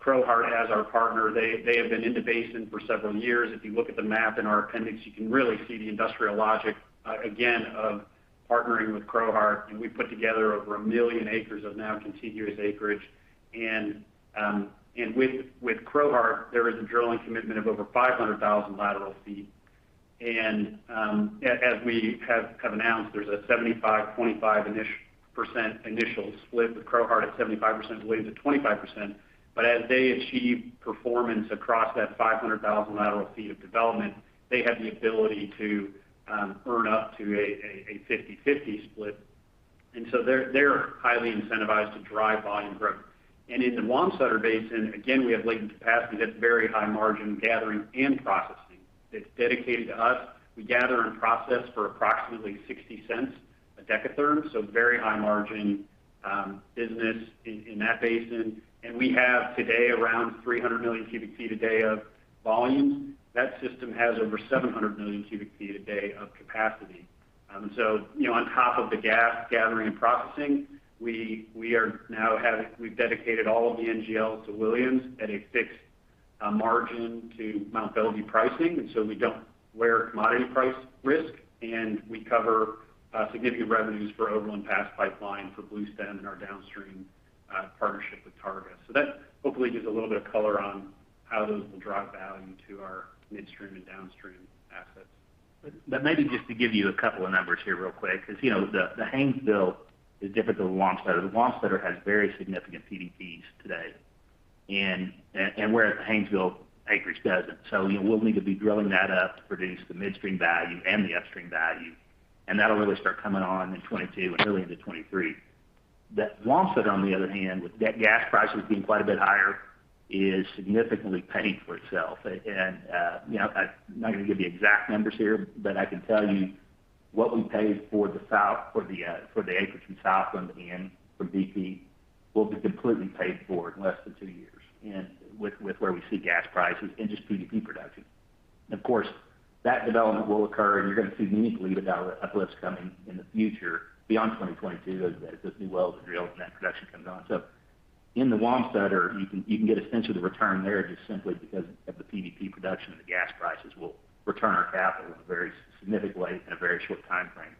Speaker 7: Crowheart as our partner. They have been in the basin for several years. If you look at the map in our appendix, you can really see the industrial logic, again, of partnering with Crowheart. We put together over 1 million acres of now contiguous acreage. With Crowheart, there is a drilling commitment of over 500,000 lateral ft. As we have announced, there's a 75%/25% initial split, with Crowheart at 75%, Williams at 25%. As they achieve performance across that 500,000 lateral ft of development, they have the ability to earn up to a 50/50 split. They're highly incentivized to drive volume growth. In the Wamsutter basin, again, we have latent capacity that's very high margin gathering and processing that's dedicated to us. We gather and process for approximately $0.60 a dekatherm, so very high margin business in that basin. We have today around 300 million cu ft a day of volume. That system has over 700 million cu ft a day of capacity. On top of the gas gathering and processing, we've dedicated all of the NGL to Williams at a fixed margin to Mont Belvieu pricing. We don't wear commodity price risk, and we cover significant revenues for Overland Pass Pipeline for Bluestem and our downstream partnership with Targa Resources. That hopefully gives a little bit of color on how those will drive value to our midstream and downstream assets.
Speaker 4: Maybe just to give you a couple of numbers here real quick, because the Haynesville is different than Wamsutter. The Wamsutter has very significant PDPs today, and whereas the Haynesville acreage doesn't. We'll need to be drilling that up to produce the midstream value and the upstream value. That'll really start coming on in 2022 and really into 2023. The Wamsutter, on the other hand, with that gas prices being quite a bit higher, is significantly paying for itself. I'm not going to give the exact numbers here, but I can tell you what we paid for the acreage from Southland and from BP will be completely paid for in less than two years, and with where we see gas prices and just PDP production. That development will occur, and you're going to see meaningful EBITDA uplifts coming in the future beyond 2022 as those new wells are drilled and that production comes on. In the Wamsutter, you can get a sense of the return there just simply because of the PDP production and the gas prices will return our capital in a very significant way in a very short timeframe.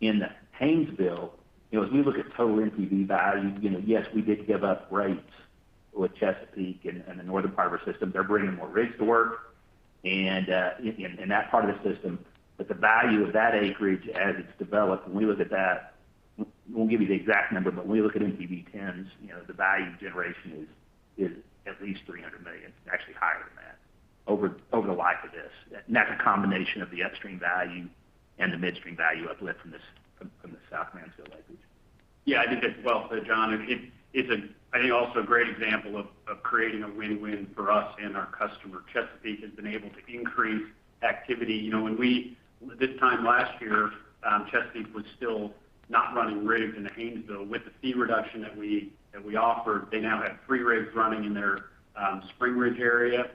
Speaker 4: In the Haynesville, as we look at total NPV value, yes, we did give up rates with Chesapeake and the Northern Harbor system. They're bringing more rigs to work in that part of the system. The value of that acreage as it's developed, when we look at that, I won't give you the exact number, but when we look at NPV10s, the value generation is at least $300 million. It's actually higher than that over the life of this. That's a combination of the upstream value and the midstream value uplift from the South Mansfield acreage.
Speaker 7: Yeah, I think that's well said, John. It's, I think, also a great example of creating a win-win for us and our customer. Chesapeake has been able to increase activity. This time last year, Chesapeake was still not running rigs in the Haynesville. With the fee reduction that we offered, they now have three rigs running in their Spring Ridge area.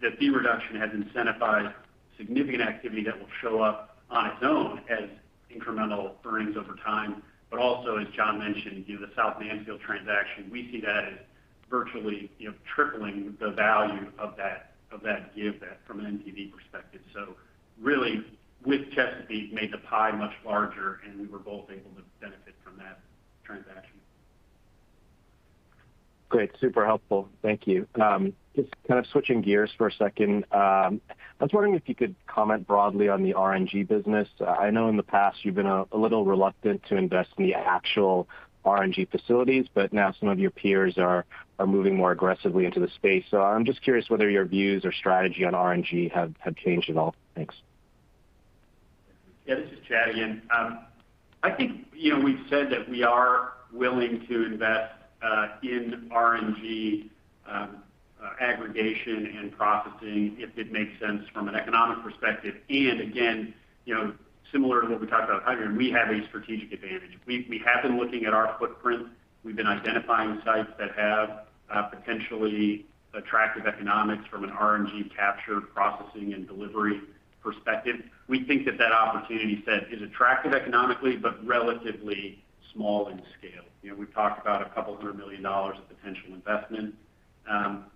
Speaker 7: The fee reduction has incentivized significant activity that will show up on its own as incremental earnings over time. Also, as John mentioned, the South Mansfield transaction, we see that as virtually tripling the value of that give from an NPV perspective. Really, with Chesapeake, made the pie much larger, and we were both able to benefit from that transaction.
Speaker 8: Great. Super helpful. Thank you. Just kind of switching gears for a second. I was wondering if you could comment broadly on the RNG business. I know in the past you've been a little reluctant to invest in the actual RNG facilities, but now some of your peers are moving more aggressively into the space. I'm just curious whether your views or strategy on RNG have changed at all. Thanks.
Speaker 7: Yeah, this is Chad again. I think we've said that we are willing to invest in RNG aggregation and processing if it makes sense from an economic perspective. Again, similar to what we talked about with hydrogen, we have a strategic advantage. We have been looking at our footprint. We've been identifying sites that have potentially attractive economics from an RNG capture, processing, and delivery perspective. We think that that opportunity set is attractive economically, but relatively small in scale. We've talked about $200 million of potential investment.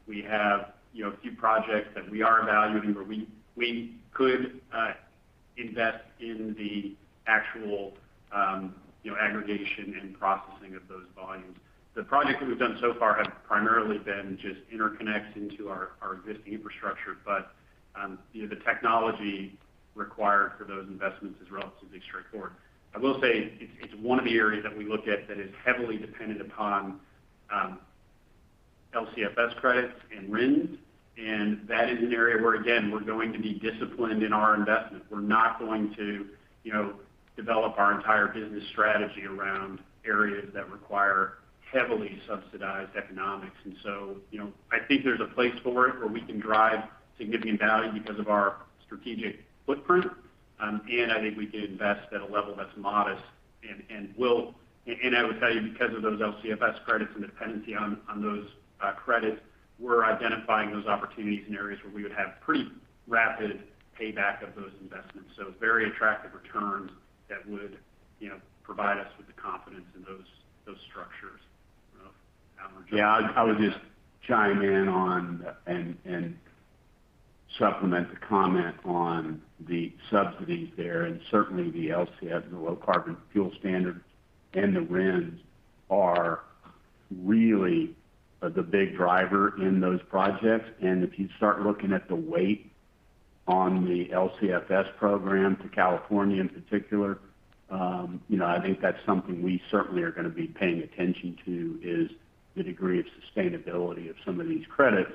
Speaker 7: We have a few projects that we are evaluating where we could invest in the actual aggregation and processing of those volumes. The projects that we've done so far have primarily been just interconnects into our existing infrastructure, but the technology required for those investments is relatively straightforward. I will say it's one of the areas that we look at that is heavily dependent upon LCFS credits and RINs. That is an area where, again, we're going to be disciplined in our investment. We're not going to develop our entire business strategy around areas that require heavily subsidized economics. I think there's a place for it where we can drive significant value because of our strategic footprint. I think we can invest at a level that's modest. I would tell you, because of those LCFS credits and the dependency on those credits, we're identifying those opportunities in areas where we would have pretty rapid payback of those investments. Very attractive returns that would provide us with the confidence in those structures. I don't know if Alan would.
Speaker 3: Yeah, I would just chime in on and supplement the comment on the subsidies there, and certainly the LCF, the Low Carbon Fuel Standard, and the RINs are really the big driver in those projects. If you start looking at the weight on the LCFS program to California in particular, I think that's something we certainly are going to be paying attention to is the degree of sustainability of some of these credits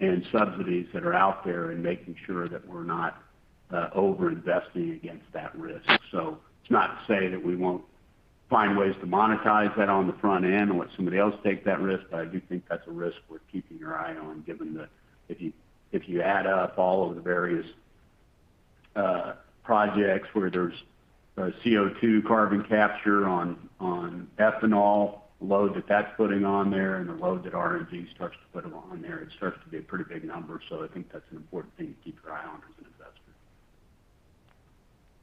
Speaker 3: and subsidies that are out there, and making sure that we're not over-investing against that risk. It's not to say that we won't find ways to monetize that on the front end and let somebody else take that risk, but I do think that's a risk worth keeping your eye on given that if you add up all of the various projects where there's CO2 carbon capture on ethanol load that that's putting on there, and the load that RNG starts to put on there, it starts to be a pretty big number. I think that's an important thing to keep your eye on as an investor.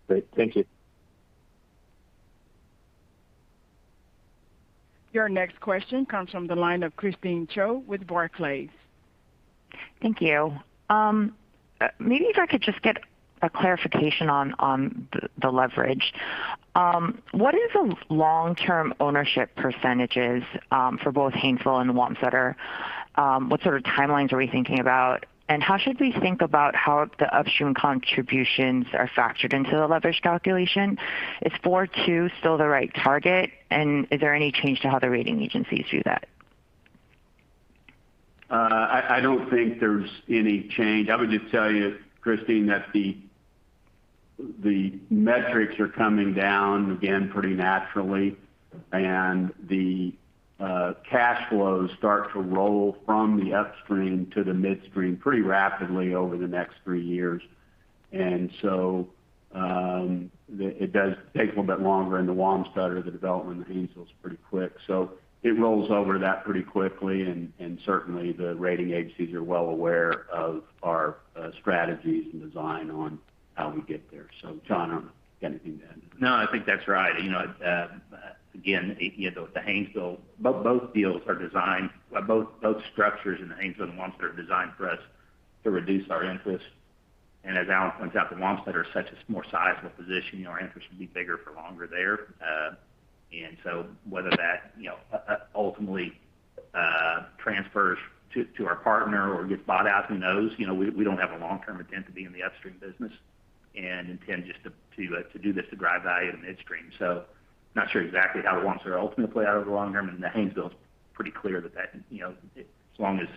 Speaker 8: Great. Thank you.
Speaker 1: Your next question comes from the line of Christine Cho with Barclays.
Speaker 9: Thank you. Maybe if I could just get a clarification on the leverage. What is the long-term ownership percentages for both Haynesville and the Wamsutter? What sort of timelines are we thinking about? How should we think about how the upstream contributions are factored into the leverage calculation? Is 42 still the right target? Is there any change to how the rating agencies do that?
Speaker 3: I don't think there's any change. I would just tell you, Christine, that the metrics are coming down again pretty naturally. The cash flows start to roll from the upstream to the midstream pretty rapidly over the next three years. It does take a little bit longer in the Wamsutter. The development in the Haynesville is pretty quick. It rolls over that pretty quickly and certainly the rating agencies are well aware of our strategies and design on how we get there. John, anything to add?
Speaker 4: No, I think that's right. The Haynesville, both structures in the Haynesville and Wamsutter are designed for us to reduce our interest. As Alan points out, the Wamsutter is such a more sizable position, our interest would be bigger for longer there. Whether that ultimately transfers to our partner or gets bought out, who knows? We don't have a long-term intent to be in the upstream business and intend just to do this to drive value to midstream. I'm not sure exactly how the Wamsutter will ultimately play out over the long-term, and the Haynesville is pretty clear that as long as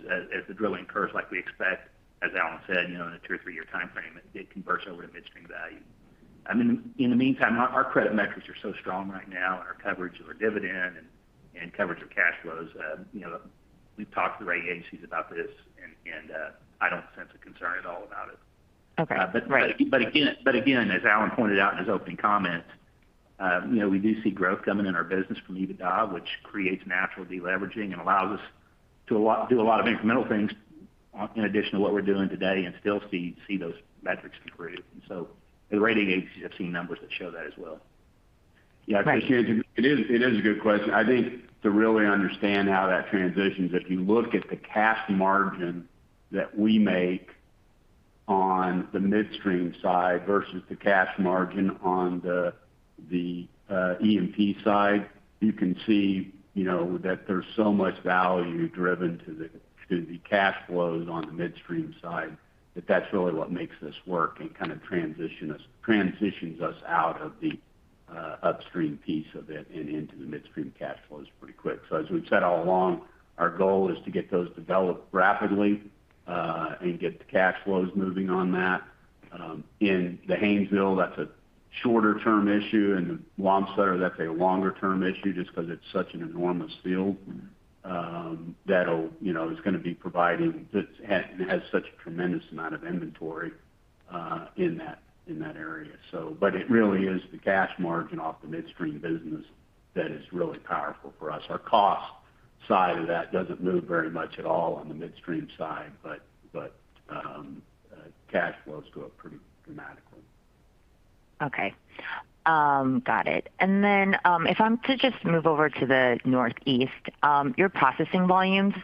Speaker 4: the drilling occurs like we expect, as Alan said, in a two or three-year timeframe, it did converse over to midstream value. In the meantime, our credit metrics are so strong right now and our coverage of our dividend and coverage of cash flows. We've talked to the rating agencies about this. I don't sense a concern at all about it.
Speaker 9: Okay. Right.
Speaker 4: Again, as Alan pointed out in his opening comments, we do see growth coming in our business from EBITDA, which creates natural de-leveraging and allows us to do a lot of incremental things in addition to what we're doing today and still see those metrics improve. The rating agencies have seen numbers that show that as well.
Speaker 9: Great.
Speaker 3: Yeah, Christine, it is a good question. I think to really understand how that transitions, if you look at the cash margin that we make on the midstream side versus the cash margin on the E&P side, you can see that there's so much value driven to the cash flows on the midstream side, that that's really what makes this work and kind of transitions us out of the upstream piece of it and into the midstream cash flows pretty quick. As we've said all along, our goal is to get those developed rapidly, and get the cash flows moving on that. In the Haynesville, that's a shorter-term issue, in the Wamsutter that's a longer-term issue just because it's such an enormous field. It has such a tremendous amount of inventory in that area. It really is the cash margin off the midstream business that is really powerful for us. Our cost side of that doesn't move very much at all on the midstream side, but cash flows go up pretty dramatically.
Speaker 9: Okay. Got it. If I'm to just move over to the Northeast, your processing volumes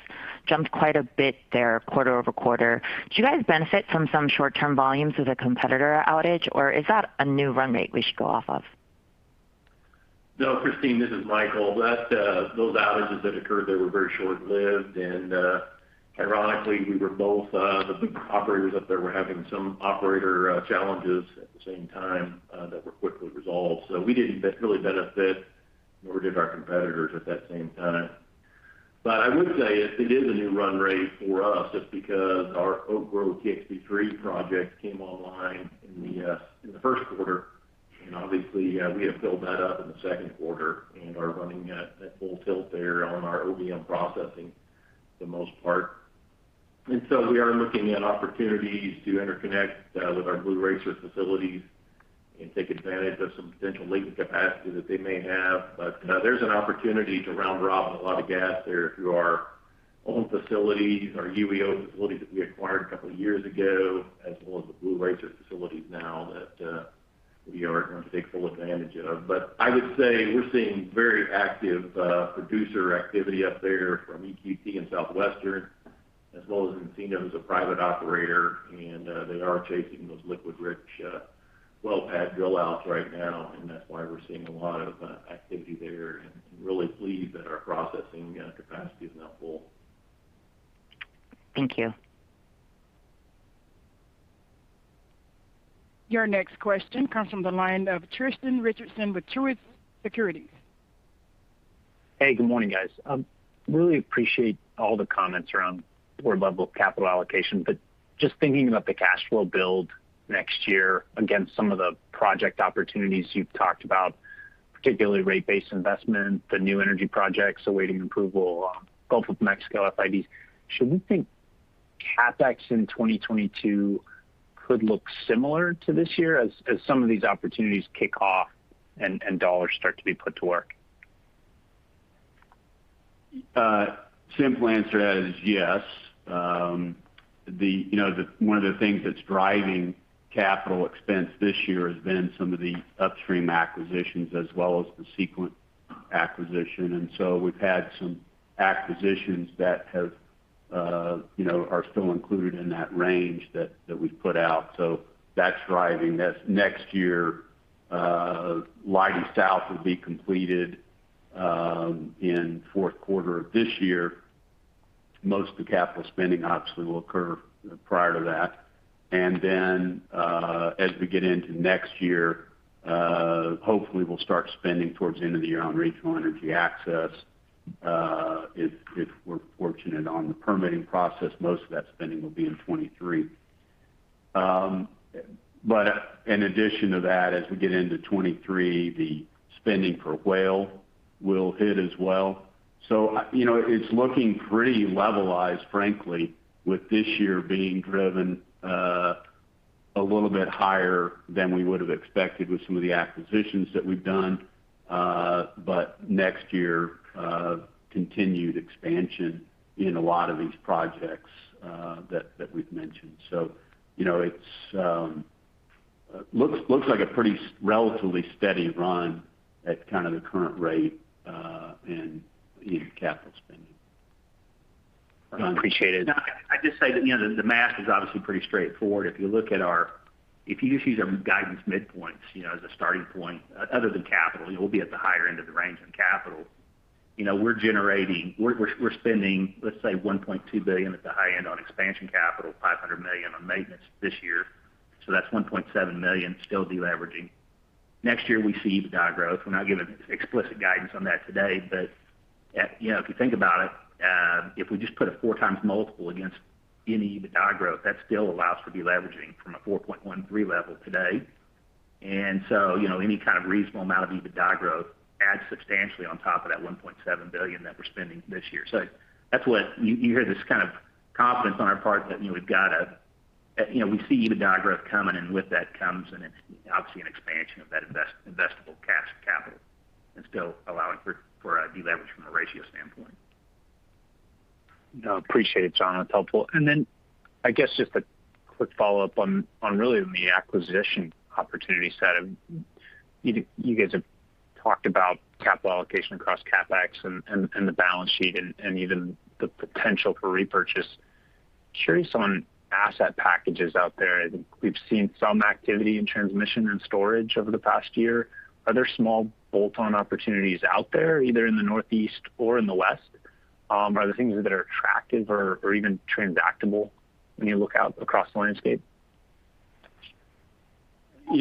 Speaker 9: jumped quite a bit there quarter-over-quarter. Do you guys benefit from some short-term volumes with a competitor outage, or is that a new run rate we should go off of?
Speaker 10: No, Christine, this is Micheal. Those outages that occurred there were very short-lived. Ironically, both of the operators up there were having some operator challenges at the same time that were quickly resolved. We didn't really benefit, nor did our competitors at that same time. I would say it is a new run rate for us, just because our Oak Grove TXP-3 project came online in the first quarter. Obviously, we have built that up in the second quarter and are running at full tilt there on our OVM processing for the most part. We are looking at opportunities to interconnect with our Blue Racer facilities and take advantage of some potential latent capacity that they may have. There's an opportunity to round robin a lot of gas there through our own facilities, our UEO facilities that we acquired two years ago, as well as the Blue Racer facilities now that we are going to take full advantage of. I would say we're seeing very active producer activity up there from EQT and Southwestern, as well as Encino, a private operator, and they are chasing those liquid-rich well pad drill outs right now, and that's why we're seeing a lot of activity there. Really pleased that our processing capacity is now full.
Speaker 9: Thank you.
Speaker 1: Your next question comes from the line of Tristan Richardson with Truist Securities.
Speaker 11: Hey, good morning, guys. Really appreciate all the comments around board-level capital allocation, but just thinking about the cash flow build next year against some of the project opportunities you've talked about, particularly rate-based investment, the new energy projects awaiting approval, Gulf of Mexico FIDs. Should we think CapEx in 2022 could look similar to this year as some of these opportunities kick off and dollars start to be put to work?
Speaker 3: Simple answer is yes. One of the things that is driving capital expense this year has been some of the upstream acquisitions as well as the Sequent acquisition. We have had some acquisitions that are still included in that range that we have put out. That is driving this. Next year, Leidy South will be completed in the 4th quarter of this year. Most of the capital spending obviously will occur prior to that. Then, as we get into next year, hopefully we will start spending towards the end of the year on Regional Energy Access. If we are fortunate on the permitting process, most of that spending will be in 2023. In addition to that, as we get into 2023, the spending for Whale will hit as well. It's looking pretty levelized, frankly, with this year being driven a little bit higher than we would have expected with some of the acquisitions that we've done. Next year, continued expansion in a lot of these projects that we've mentioned. It looks like a pretty relatively steady run at kind of the current rate in capital spending.
Speaker 11: Appreciate it.
Speaker 4: I just say that the math is obviously pretty straightforward. If you just use our guidance midpoints as a starting point, other than capital, we'll be at the higher end of the range on capital. We're spending, let's say, $1.2 billion at the high end on expansion capital, $500 million on maintenance this year. That's $1.7 million, still deleveraging. Next year, we see EBITDA growth. We're not giving explicit guidance on that today, but if you think about it, if we just put a four times multiple against any EBITDA growth, that still allows for deleveraging from a 4.13 level today. Any kind of reasonable amount of EBITDA growth adds substantially on top of that $1.7 billion that we're spending this year. That's what you hear this kind of confidence on our part that we see EBITDA growth coming and with that comes obviously an expansion of that investable cash capital and still allowing for a deleverage from a ratio standpoint.
Speaker 11: No, appreciate it, John. That's helpful. Then I guess just a quick follow-up on really the acquisition opportunity set. You guys have talked about capital allocation across CapEx and the balance sheet and even the potential for repurchase. Curious on asset packages out there. I think we've seen some activity in transmission and storage over the past year. Are there small bolt-on opportunities out there, either in the Northeast or in the West? Are there things that are attractive or even transactable when you look out across the landscape?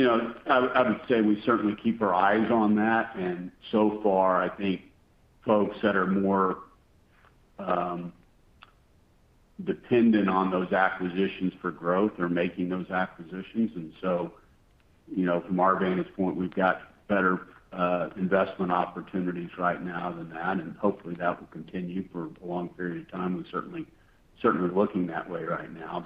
Speaker 3: I would say we certainly keep our eyes on that. So far I think folks that are more dependent on those acquisitions for growth are making those acquisitions. From our vantage point, we've got better investment opportunities right now than that, and hopefully that will continue for a long period of time. It's certainly looking that way right now.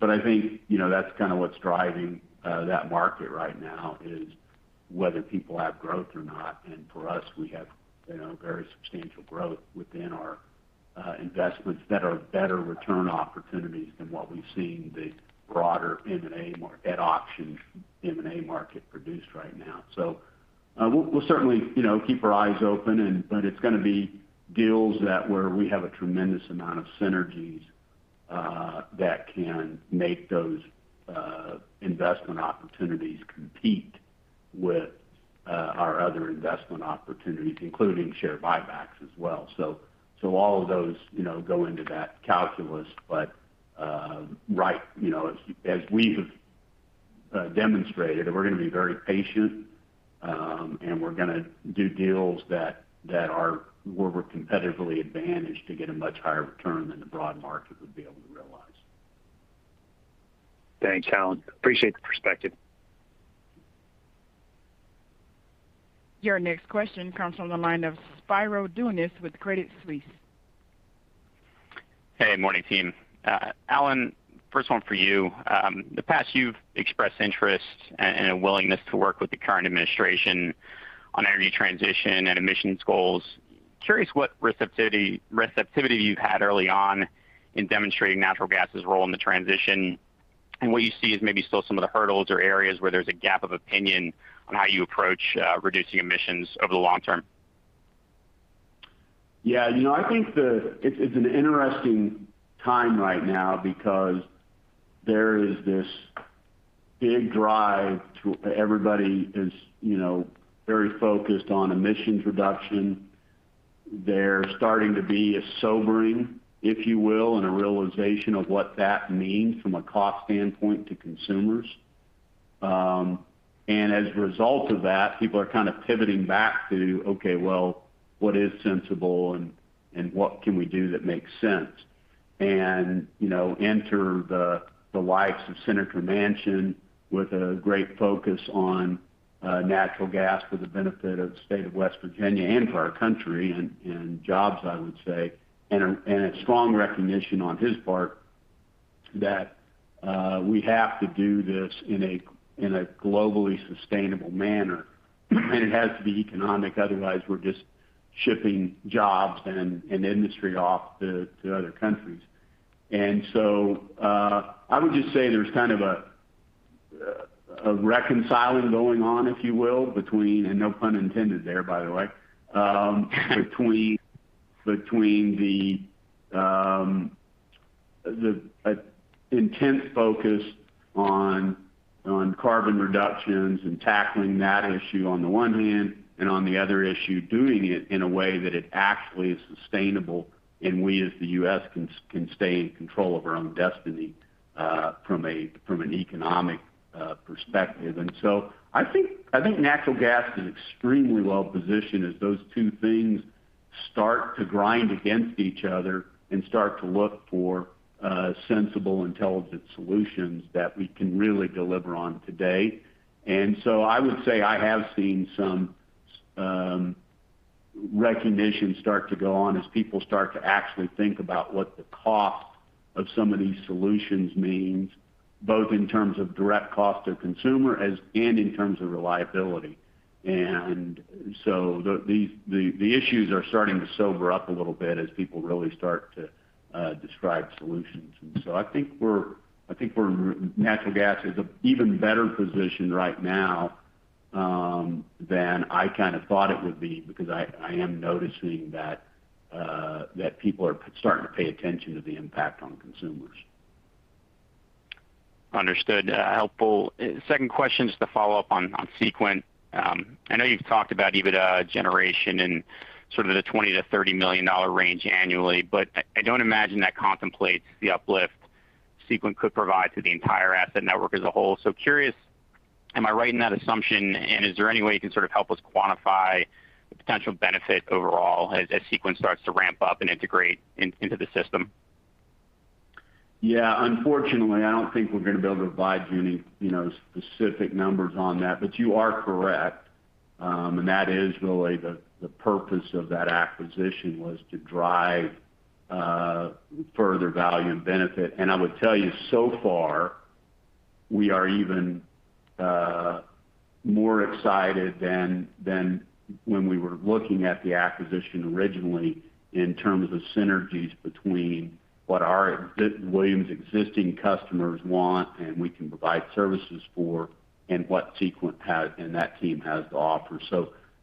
Speaker 3: I think that's kind of what's driving that market right now is whether people have growth or not. For us, we have very substantial growth within our investments that are better return opportunities than what we've seen the broader M&A at auction, M&A market produce right now. We'll certainly keep our eyes open, but it's going to be deals where we have a tremendous amount of synergies that can make those investment opportunities compete with our other investment opportunities, including share buybacks as well. All of those go into that calculus. As we have demonstrated, we're going to be very patient, and we're going to do deals where we're competitively advantaged to get a much higher return than the broad market would be able to realize.
Speaker 11: Thanks, Alan. Appreciate the perspective.
Speaker 1: Your next question comes from the line of Spiro Dounis with Credit Suisse.
Speaker 12: Hey, morning team. Alan, first one for you. In the past, you've expressed interest and a willingness to work with the current administration on energy transition and emissions goals. Curious what receptivity you've had early on in demonstrating natural gas's role in the transition, and what you see as maybe still some of the hurdles or areas where there's a gap of opinion on how you approach reducing emissions over the long-term.
Speaker 3: Yeah. I think it's an interesting time right now because there is this big drive. Everybody is very focused on emissions reduction. There's starting to be a sobering, if you will, and a realization of what that means from a cost standpoint to consumers. As a result of that, people are kind of pivoting back to, "Okay, well, what is sensible and what can we do that makes sense?" Enter the likes of Senator Manchin with a great focus on natural gas for the benefit of the state of West Virginia and for our country, and jobs, I would say. A strong recognition on his part that we have to do this in a globally sustainable manner, and it has to be economic, otherwise we're just shipping jobs and industry off to other countries. I would just say there's kind of a reconciling going on, if you will, between, and no pun intended there, by the way, between the intense focus on carbon reductions and tackling that issue on the one hand, and on the other issue, doing it in a way that it actually is sustainable, and we, as the U.S., can stay in control of our own destiny from an economic perspective. I think natural gas is extremely well-positioned as those two things start to grind against each other and start to look for sensible, intelligent solutions that we can really deliver on today. I would say I have seen some recognition start to go on as people start to actually think about what the cost of some of these solutions means, both in terms of direct cost to consumer and in terms of reliability. The issues are starting to sober up a little bit as people really start to describe solutions. I think natural gas is in an even better position right now than I kind of thought it would be because I am noticing that people are starting to pay attention to the impact on consumers.
Speaker 12: Understood. Helpful. Second question, just to follow-up on Sequent. I know you've talked about EBITDA generation in sort of the $20 million-$30 million range annually, but I don't imagine that contemplates the uplift Sequent could provide to the entire asset network as a whole. Curious, am I right in that assumption, and is there any way you can sort of help us quantify the potential benefit overall as Sequent starts to ramp up and integrate into the system?
Speaker 3: Yeah. Unfortunately, I don't think we're going to be able to provide you any specific numbers on that. You are correct, and that is really the purpose of that acquisition, was to drive further value and benefit. I would tell you, so far, we are even more excited than when we were looking at the acquisition originally in terms of synergies between what our Williams existing customers want and we can provide services for, and what Sequent and that team has to offer.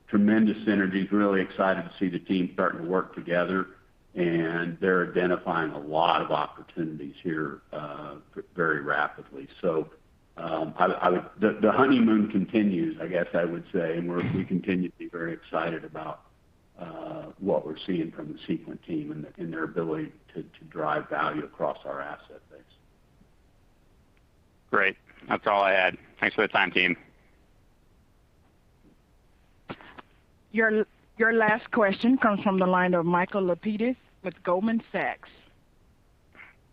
Speaker 3: Tremendous synergies, really excited to see the team starting to work together, and they're identifying a lot of opportunities here very rapidly. The honeymoon continues, I guess I would say, and we continue to be very excited about what we're seeing from the Sequent team and their ability to drive value across our asset base.
Speaker 12: Great. That's all I had. Thanks for the time, team.
Speaker 1: Your last question comes from the line of Michael Lapides with Goldman Sachs.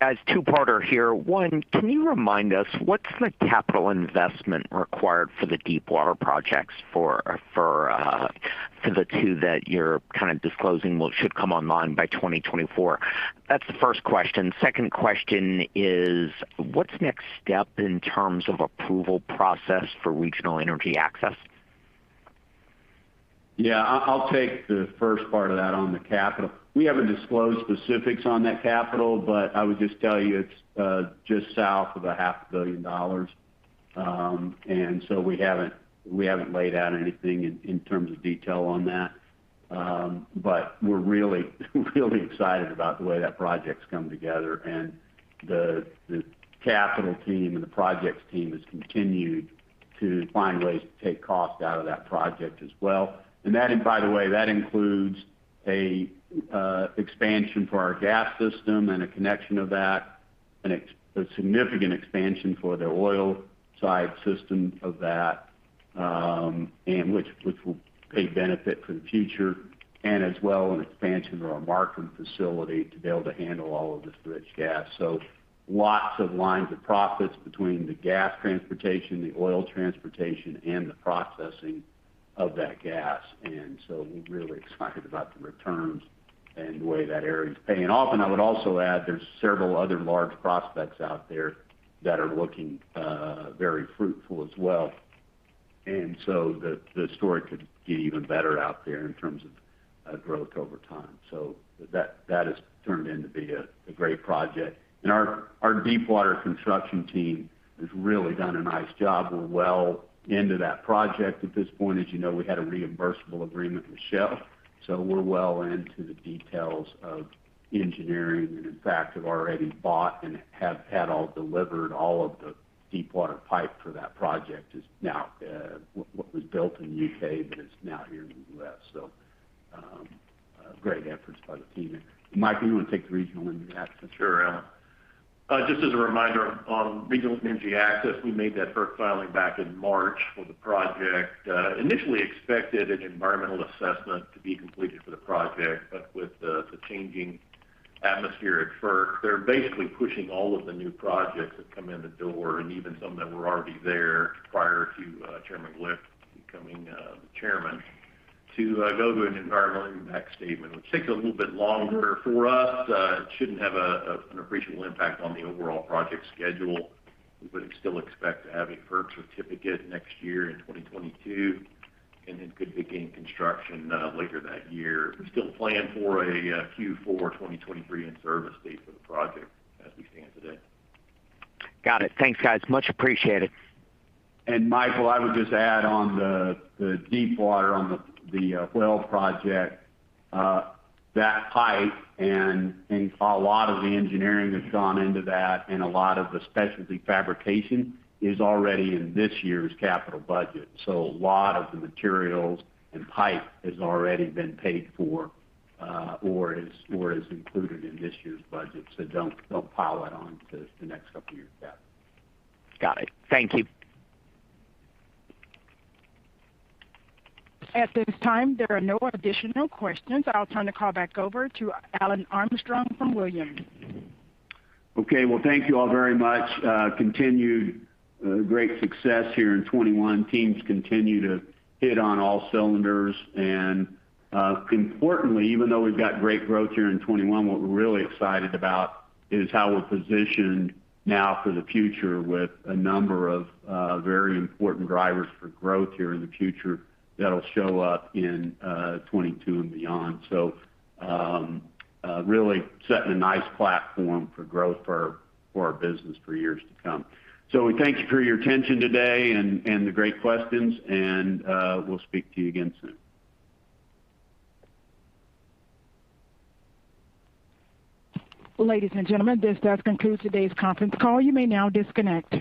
Speaker 13: Guys, two-parter here. One, can you remind us what's the capital investment required for the Deepwater projects for the 2 that you're kind of disclosing should come online by 2024? That's the first question. Second question is, what's next step in terms of approval process for Regional Energy Access?
Speaker 3: Yeah. I'll take the first part of that on the capital. We haven't disclosed specifics on that capital, but I would just tell you it's just south of a $500 million. We haven't laid out anything in terms of detail on that. We're really excited about the way that project's come together, and the capital team and the projects team has continued to find ways to take cost out of that project as well. By the way, that includes a expansion for our gas system and a connection of that, and a significant expansion for the oil side system of that, and which will pay benefit for the future, and as well, an expansion of our marketing facility to be able to handle all of this rich gas. Lots of lines of profits between the gas transportation, the oil transportation, and the processing of that gas. We're really excited about the returns and the way that area's paying off. I would also add, there's several other large prospects out there that are looking very fruitful as well. The story could get even better out there in terms of growth over time. That has turned in to be a great project. Our deep water construction team has really done a nice job. We're well into that project at this point. As you know, we had a reimbursable agreement with Shell. We're well into the details of engineering, and in fact, have already bought and have had all delivered all of the deep water pipe for that project is now what was built in the U.K., but it's now here in the U.S. Great efforts by the team. Mike, do you want to take the Regional Energy Access?
Speaker 10: Sure, Alan. Just as a reminder on Regional Energy Access, we made that FERC filing back in March for the project. Initially expected an environmental assessment to be completed for the project. With the changing atmosphere at FERC, they're basically pushing all of the new projects that come in the door, and even some that were already there prior to Chairman Glick becoming the Chairman, to go to an environmental impact statement, which takes a little bit longer. For us, it shouldn't have an appreciable impact on the overall project schedule. We would still expect to have a FERC certificate next year in 2022, could begin construction later that year. We still plan for a Q4 2023 in-service date for the project as we stand today.
Speaker 13: Got it. Thanks, guys. Much appreciated.
Speaker 3: Michael, I would just add on the deep water on the Whale project, that pipe and a lot of the engineering that's gone into that and a lot of the specialty fabrication is already in this year's capital budget. A lot of the materials and pipe has already been paid for or is included in this year's budget, so don't pile it on to the next couple years' CapEx.
Speaker 13: Got it. Thank you.
Speaker 1: At this time, there are no additional questions. I'll turn the call back over to Alan Armstrong from Williams.
Speaker 3: Well, thank you all very much. Continued great success here in 2021. Teams continue to hit on all cylinders. Importantly, even though we've got great growth here in 2021, what we're really excited about is how we're positioned now for the future with a number of very important drivers for growth here in the future that'll show up in 2022 and beyond. Really setting a nice platform for growth for our business for years to come. We thank you for your attention today and the great questions, and we'll speak to you again soon.
Speaker 1: Ladies and gentlemen, this does conclude today's conference call. You may now disconnect.